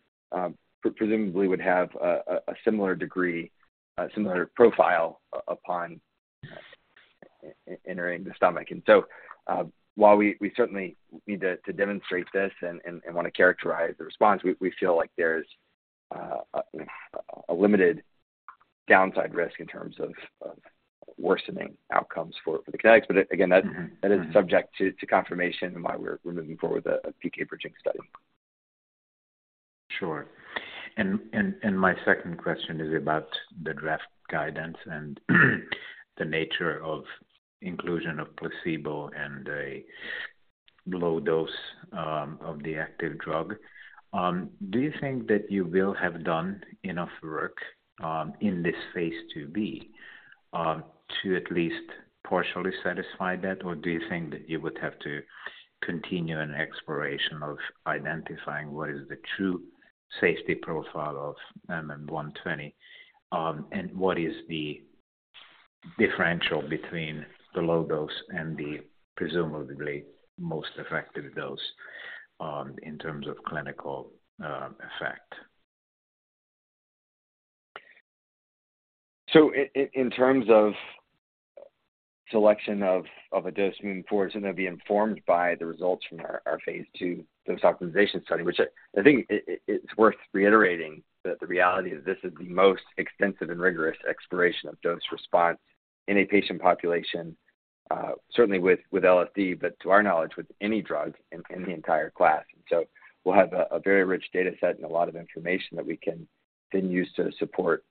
presumably would have a, a, a similar degree, a similar profile, upon entering the stomach. While we, we certainly need to, to demonstrate this and, and, and want to characterize the response, we, we feel like there's, a limited downside risk in terms of, of worsening outcomes for, for the kinetics. Again, that. Mm-hmm. Mm-hmm.... that is subject to, to confirmation and why we're, we're moving forward with a, a PK bridging study. Sure. My second question is about the draft guidance and the nature of inclusion of placebo and a low dose of the active drug. Do you think that you will have done enough work in this Phase 2b to at least partially satisfy that? Or do you think that you would have to continue an exploration of identifying what is the true safety profile of MM120, and what is the differential between the low dose and the presumably most effective dose, in terms of clinical effect? In terms of selection of, of a dose moving forward is going to be informed by the results from our, our phase II dose optimization study, which I, I think it's worth reiterating that the reality is this is the most extensive and rigorous exploration of dose response in a patient population, certainly with, with LSD, but to our knowledge, with any drug in, in the entire class. We'll have a, a very rich data set and a lot of information that we can then use to support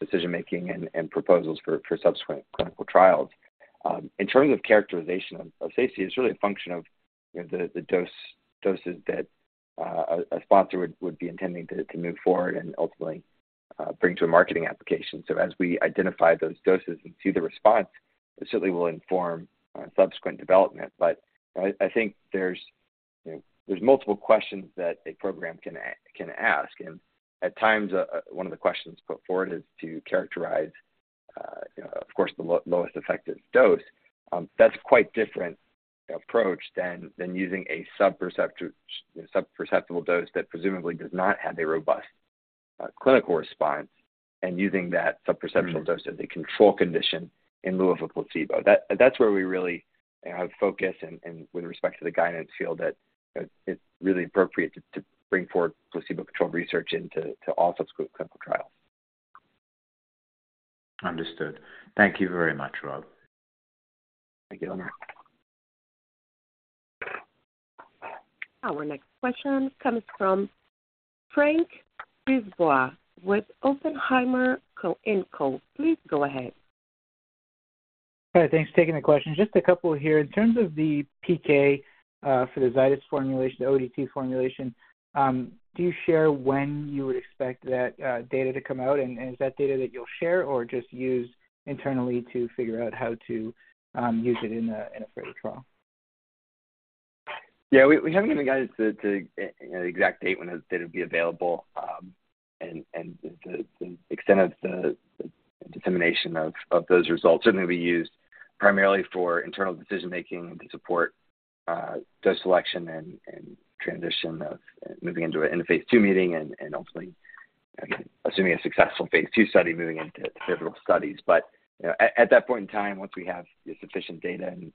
decision making and, and proposals for, for subsequent clinical trials. In terms of characterization of, of safety, it's really a function of, you know, the, the dose, doses that a, a sponsor would, would be intending to, to move forward and ultimately, bring to a marketing application. As we identify those doses and see the response, it certainly will inform subsequent development. I, I think there's, you know, there's multiple questions that a program can ask, and at times, one of the questions put forward is to characterize, you know, of course, the lowest effective dose. That's quite different approach than using a sub-perceptible dose that presumably does not have a robust clinical response, and using that sub-perceptible dose as a control condition in lieu of a placebo. That's where we really, you know, have focus and with respect to the guidance, feel that it's really appropriate to bring forward placebo-controlled research into all subsequent clinical trials. Understood. Thank you very much, Rob. Thank you, Elemer. Our next question comes from Frank Brisebois with Oppenheimer & Co. Please go ahead. Hi. Thanks for taking the question. Just a couple here. In terms of the PK, for the Zydis formulation, the ODT formulation, do you share when you would expect that data to come out? Is that data that you'll share or just use internally to figure out how to use it in a further trial? Yeah, we, we haven't given, guys, the, the, you know, exact date when that data will be available, and, and the, the extent of the dissemination of, of those results. Certainly, be used primarily for internal decision making to support dose selection and, and transition of moving into a, in a phase II meeting and, and ultimately, assuming a successful phase II study, moving into pivotal studies. you know, at, at that point in time, once we have sufficient data and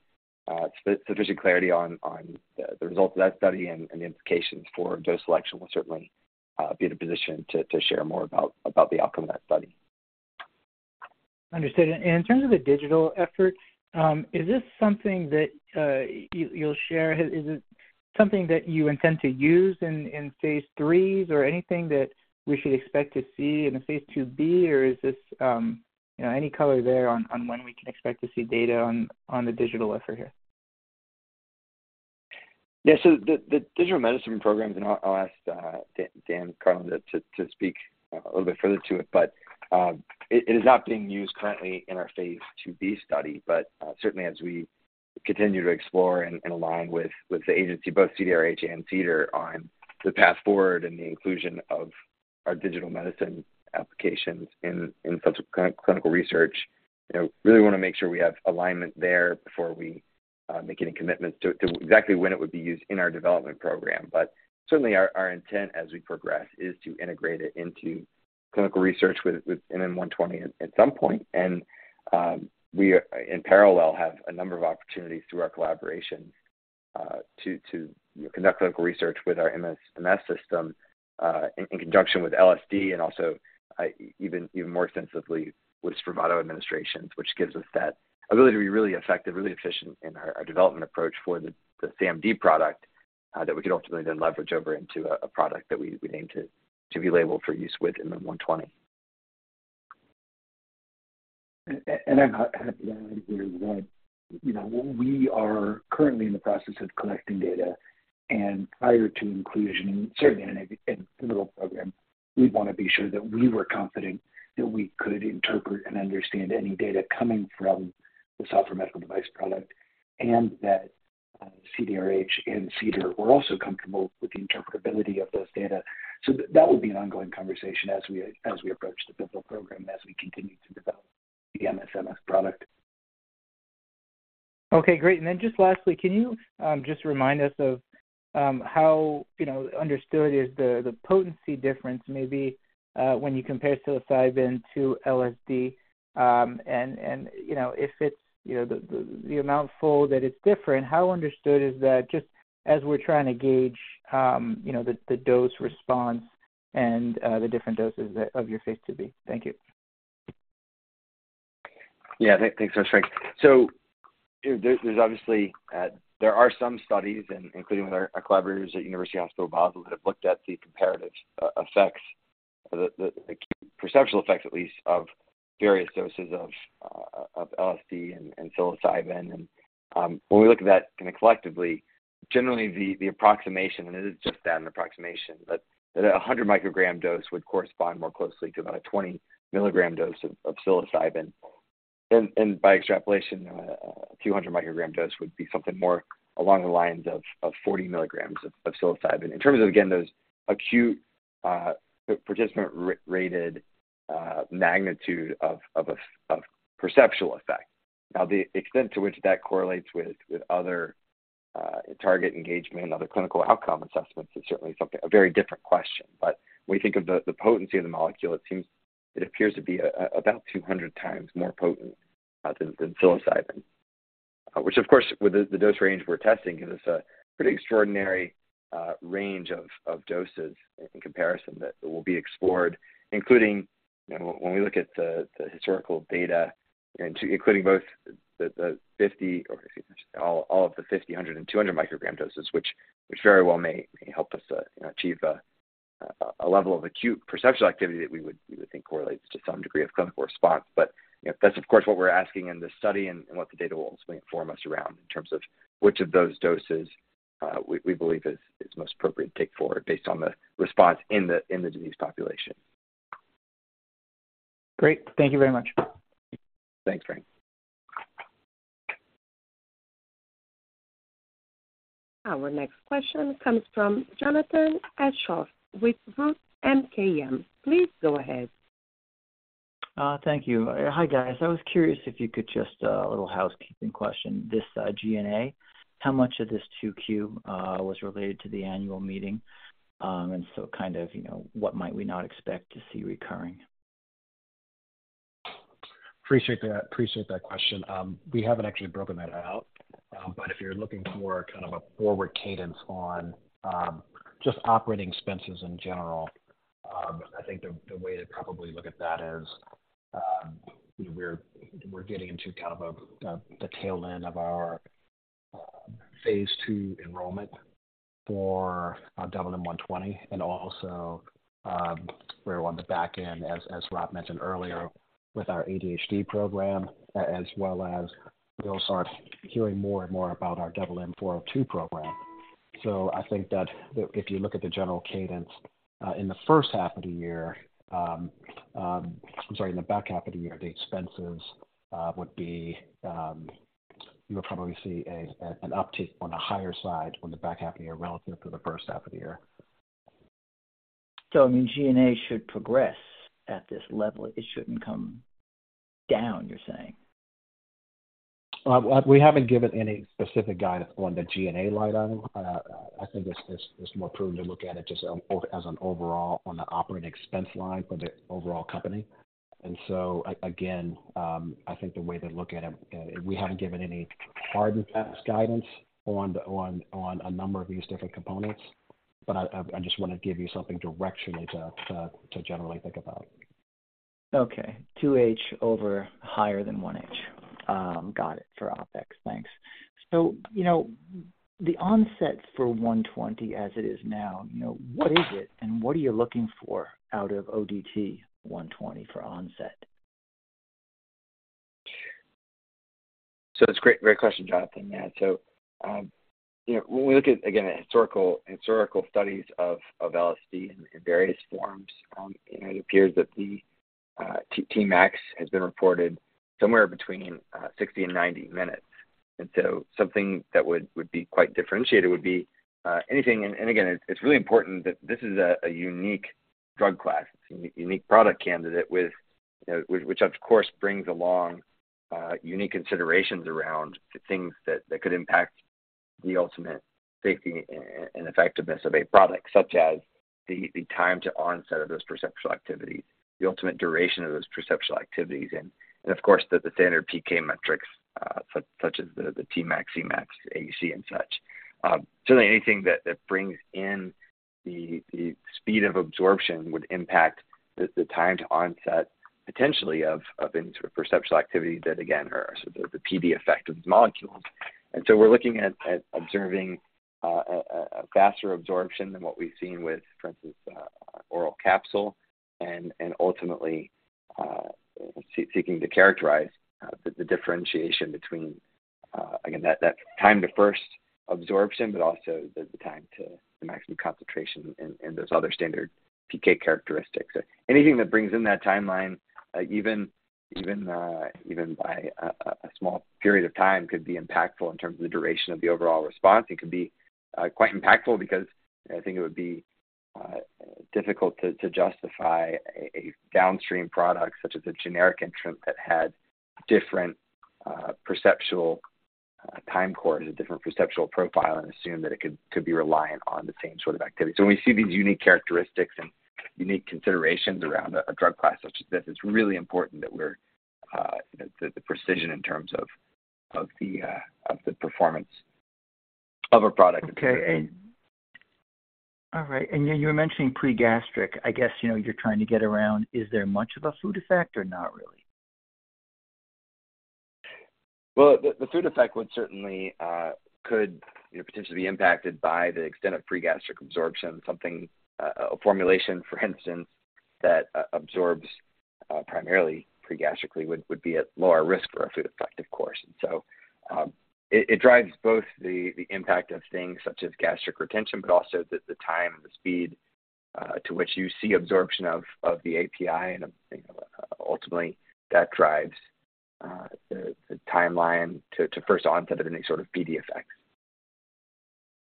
sufficient clarity on, on the, the results of that study and, and the implications for dose selection, we'll certainly be in a position to, to share more about, about the outcome of that study. Understood. In terms of the digital effort, is this something that, you, you'll share? Is it something that you intend to use in phase III, or anything that we should expect to see in a Phase 2b? Is this, you know, any color there on when we can expect to see data on the digital effort here? Yeah. The, the digital medicine program, and I'll, I'll ask Dan Karlin to, to, to speak a little bit further to it, but, it, it is not being used currently in our Phase 2b study. Certainly as we continue to explore and, and along with, with the agency, both CDRH and CDER, on the path forward and the inclusion of our digital medicine applications in, in such clinical research, you know, really want to make sure we have alignment there before we make any commitments to, to exactly when it would be used in our development program. Certainly our, our intent as we progress is to integrate it into clinical research with, with MM120 at, at some point. We are, in parallel, have a number of opportunities through our collaboration to conduct clinical research with our MS system in conjunction with LSD and also even more extensively with Spravato administrations, which gives us that ability to be really effective, really efficient in our development approach for the SaMD product that we could ultimately then leverage over into a product that we aim to be labeled for use with MM120. I might add here that, you know, we are currently in the process of collecting data, and prior to inclusion, and certainly in a, in pivotal program, we'd want to be sure that we were confident that we could interpret and understand any data coming from the software medical device product, and that, CDRH and CDER were also comfortable with the interpretability of those data. That would be an ongoing conversation as we, as we approach the pivotal program, as we continue to develop the MSMS product. Okay, great. Then just lastly, can you just remind us of how, you know, understood is the, the potency difference, maybe, when you compare psilocybin to LSD? You know, if it's, you know, the, the, the amount fold that it's different, how understood is that, just as we're trying to gauge, you know, the, the dose response and the different doses of, of your Phase 2b? Thank you. Thanks so much, Frank. There's obviously, there are some studies, including with our collaborators at University Hospital Basel, that have looked at the comparative effects, the perceptual effects at least, of various doses of LSD and psilocybin. When we look at that, you know, collectively, generally the approximation, and it is just that, an approximation, but that a 100 microgram dose would correspond more closely to about a 20mg dose of psilocybin. By extrapolation, a few 100 microgram dose would be something more along the lines of 40mg of psilocybin. In terms of, again, those acute participant rated magnitude of perceptual effect. The extent to which that correlates with, with other target engagement and other clinical outcome assessments is certainly something, a very different question. When you think of the, the potency of the molecule, it seems it appears to be about 200 times more potent than psilocybin. Which of course, with the, the dose range we're testing, gives us a pretty extraordinary range of doses in comparison that will be explored, including, you know, when, when we look at the, the historical data, and including both the 50 or all, all of the 50, 100, and 200 microgram doses, which, which very well may, may help us, you know, achieve a, a, a level of acute perceptual activity that we would, we would think correlates to some degree of clinical response. You know, that's of course, what we're asking in this study and, and what the data will inform us around in terms of which of those doses, we, we believe is, is most appropriate to take forward based on the response in the, in the disease population. Great. Thank you very much. Thanks, Frank. Our next question comes from Jonathan Aschoff with ROTH MKM. Please go ahead. Thank you. Hi, guys. I was curious if you could just, a little housekeeping question, this G&A, how much of this 2Q was related to the annual meeting? So kind of, you know, what might we not expect to see recurring? Appreciate that. Appreciate that question. We haven't actually broken that out, but if you're looking for kind of a forward cadence on, just operating expenses in general, I think the, the way to probably look at that is, you know, we're, we're getting into kind of a, the, the tail end of our, phase II enrollment for, MM120, and also, we're on the back end, as, as Rob mentioned earlier, with our ADHD program, as well as you'll start hearing more and more about our MM402 program. I think that, that if you look at the general cadence, in the first half of the year. I'm sorry, in the back half of the year, the expenses would be, you'll probably see a, an, an uptick on the higher side on the back half of the year relative to the first half of the year. I mean, G&A should progress at this level. It shouldn't come down, you're saying? Well, we haven't given any specific guidance on the G&A line item. I think it's, it's, it's more prudent to look at it just as an overall on the operating expense line for the overall company. Again, I think the way to look at it, we haven't given any hard and fast guidance on a number of these different components, but I, I, I just want to give you something directionally to generally think about. Okay. 2H over higher than 1H. Got it. For OpEx. Thanks. You know, the onset for 120 as it is now, you know, what is it, and what are you looking for out of ODT 120 for onset? It's great, great question, Jonathan. Yeah. You know, when we look at, again, the historical, historical studies of, of LSD in various forms, and it appears that the Tmax has been reported somewhere between 60 and 90 minutes. Something that would, would be quite differentiated would be, and again, it's, it's really important that this is a, a unique drug class, it's a unique product candidate with, you know, which, which, of course, brings along unique considerations around the things that, that could impact the ultimate safety and effectiveness of a product, such as the, the time to onset of those perceptual activities, the ultimate duration of those perceptual activities, and of course, the standard PK metrics, such as the Tmax, Cmax, AUC, and such. Certainly anything that, that brings in the, the speed of absorption would impact the, the time to onset, potentially of, of any sort of perceptual activity that, again, are so the PD effect of the molecules. So we're looking at, at observing a faster absorption than what we've seen with, for instance, oral capsule and, and ultimately, seeking to characterize the differentiation between, again, that, that time to first absorption, but also the, the time to the maximum concentration and, and those other standard PK characteristics. Anything that brings in that timeline, even, even, even by a, a, a small period of time, could be impactful in terms of the duration of the overall response. It could be quite impactful because I think it would be difficult to justify a downstream product, such as a generic entrant that had different perceptual time course, a different perceptual profile, and assume that it could be reliant on the same sort of activity. When we see these unique characteristics and unique considerations around a drug class such as this, it's really important that we're, you know, the precision in terms of the performance of a product. Okay, all right. You were mentioning pre-gastric. I guess, you know, you're trying to get around, is there much of a food effect or not really? Well, the, the food effect would certainly, could, you know, potentially be impacted by the extent of pre-gastric absorption. Something, a formulation, for instance, that absorbs, primarily pre-gastrically would, would be at lower risk for a food effect, of course. It, it drives both the, the impact of things such as gastric retention, but also the, the time and the speed, to which you see absorption of, of the API, ultimately, that drives, the, the timeline to, to first onset of any sort of PD effect.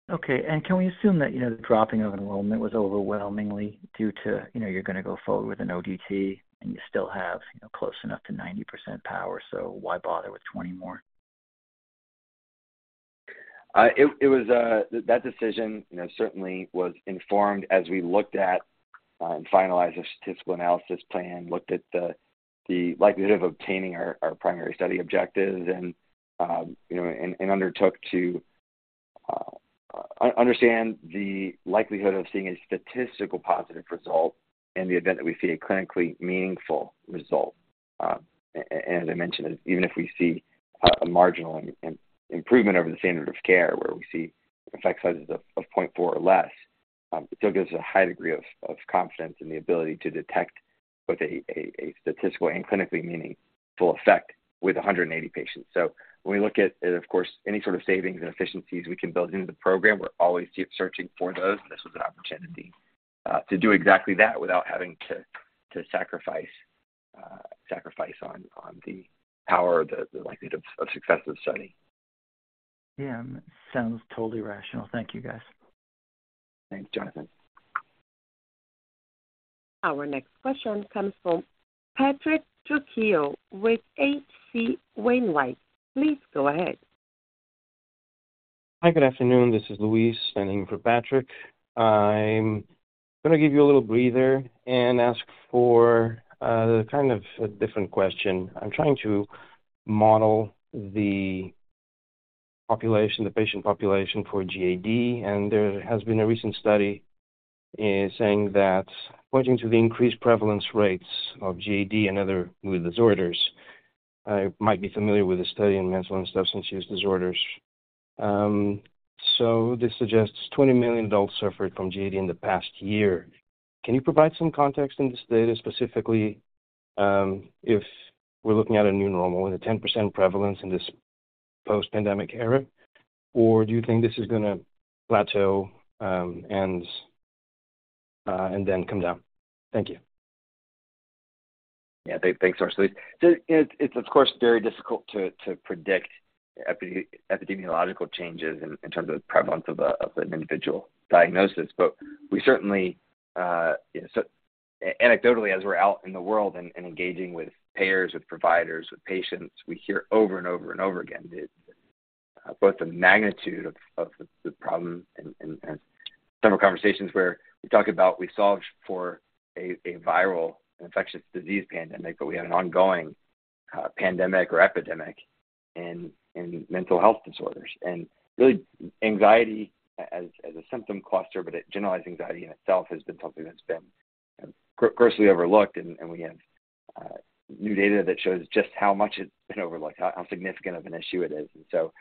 Okay, can we assume that, you know, the dropping of enrollment was overwhelmingly due to, you know, you're going to go forward with an ODT, and you still have, you know, close enough to 90% power, so why bother with 20 more? It was that decision, you know, certainly was informed as we looked at and finalized a statistical analysis plan, looked at the likelihood of obtaining our primary study objectives and, you know, undertook to understand the likelihood of seeing a statistical positive result in the event that we see a clinically meaningful result. As I mentioned, even if we see a marginal improvement over the standard of care, where we see effect sizes of 0.4 or less, it still gives us a high degree of confidence in the ability to detect both a statistical and clinically meaningful effect with 180 patients. When we look at, of course, any sort of savings and efficiencies we can build into the program, we're always searching for those, and this was an opportunity to do exactly that without having to sacrifice on the power, the likelihood of success of the study. Yeah. Sounds totally rational. Thank you, guys. Thanks, Jonathan. Our next question comes from Patrick Trucchio with H.C. Wainwright. Please go ahead. Hi, good afternoon. This is Luis standing in for Patrick. I'm going to give you a little breather and ask for, kind of a different question. I'm trying to model the population, the patient population for GAD, and there has been a recent study, saying that pointing to the increased prevalence rates of GAD and other mood disorders. You might be familiar with the study in mental and substance use disorders. This suggests 20 million adults suffered from GAD in the past year. Can you provide some context in this data, specifically, if we're looking at a new normal and a 10% prevalence in this post-pandemic era? Do you think this is going to plateau, and then come down? Thank you. Yeah, thank, thanks, Luis. It's, it's of course, very difficult to, to predict epidemiological changes in, in terms of prevalence of a, of an individual diagnosis. We certainly, you know. Anecdotally, as we're out in the world and, and engaging with payers, with providers, with patients, we hear over and over and over again that both the magnitude of, of the, the problem and, and, and several conversations where we talk about we solved for a, a viral, an infectious disease pandemic, but we have an ongoing pandemic or epidemic in, in mental health disorders. Really, anxiety as, as a symptom cluster, but generalized anxiety in itself has been something that's been grossly overlooked, and, and we have new data that shows just how much it's been overlooked, how, how significant of an issue it is. You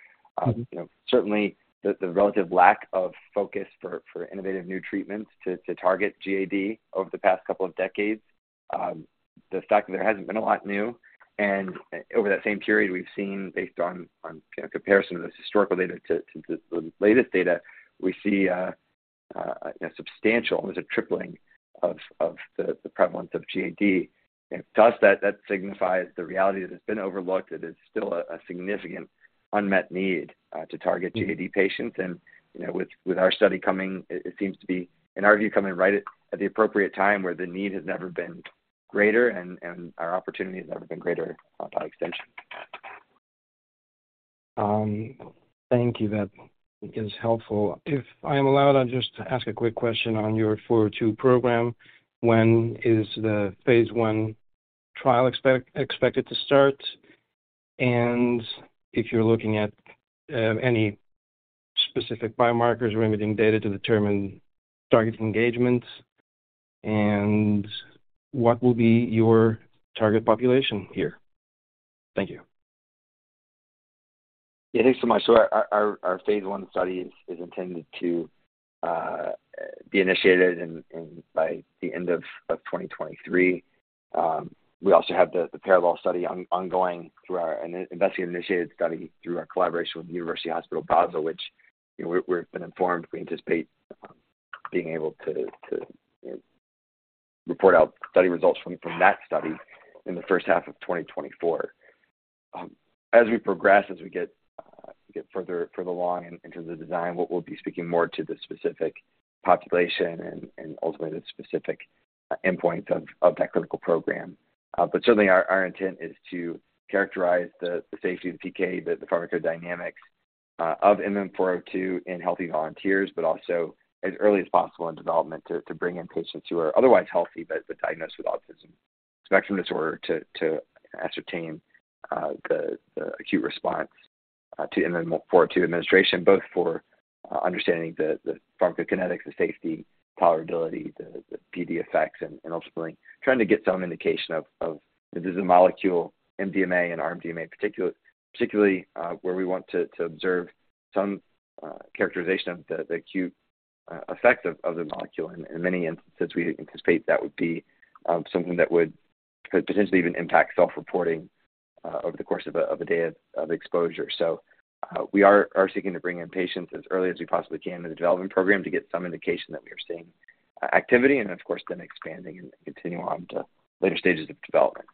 know, certainly the, the relative lack of focus for, for innovative new treatments to, to target GAD over the past couple of decades, the fact that there hasn't been a lot new, and over that same period, we've seen, based on, on, you know, comparison of this historical data to, to the latest data, we see a substantial, there's a tripling of, of the, the prevalence of GAD. To us, that, that signifies the reality that it's been overlooked. It is still a, a significant unmet need to target GAD patients. You know, with, with our study coming, it, it seems to be, in our view, coming right at, at the appropriate time, where the need has never been greater and, and our opportunity has never been greater by extension. Thank you. That is helpful. If I am allowed, I'll just ask a quick question on your 402 program. When is the phase I trial expected to start? If you're looking at any specific biomarkers or imaging data to determine target engagement, and what will be your target population here? Thank you. Yeah, thanks so much. Our phase I study is intended to be initiated in by the end of 2023. We also have the parallel study ongoing through our an investigator-initiated study through our collaboration with University Hospital Basel, which, you know, we've been informed. We anticipate being able to, you know, report out study results from that study in the first half of 2024. As we progress, as we get further along in terms of the design, what we'll be speaking more to the specific population and ultimately, the specific endpoints of that clinical program. Certainly our, our intent is to characterize the, the safety of the PK, the pharmacodynamics of MM402 in healthy volunteers, but also as early as possible in development, to bring in patients who are otherwise healthy but diagnosed with autism spectrum disorder, to ascertain the, the acute response to MM402 administration, both for understanding the, the pharmacokinetics, the safety, tolerability, the, the PD effects, and ultimately trying to get some indication of this is a molecule, MDMA and R-MDMA, particularly where we want to observe some characterization of the, the acute effect of the molecule. In many instances, we anticipate that could potentially even impact self-reporting over the course of a day of exposure. We are seeking to bring in patients as early as we possibly can in the development program to get some indication that we are seeing activity, and of course, then expanding and continue on to later stages of development.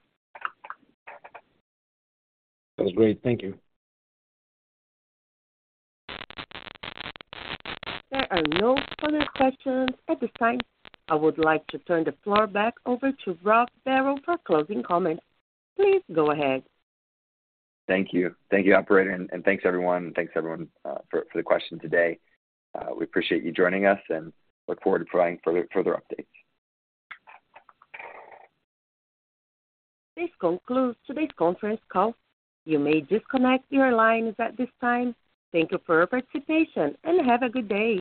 That was great. Thank you. There are no further questions at this time. I would like to turn the floor back over to Robert Barrow for closing comments. Please go ahead. Thank you. Thank you, operator, and thanks, everyone. Thanks, everyone, for, for the question today. We appreciate you joining us and look forward to providing further, further updates. This concludes today's conference call. You may disconnect your lines at this time. Thank you for your participation, and have a good day.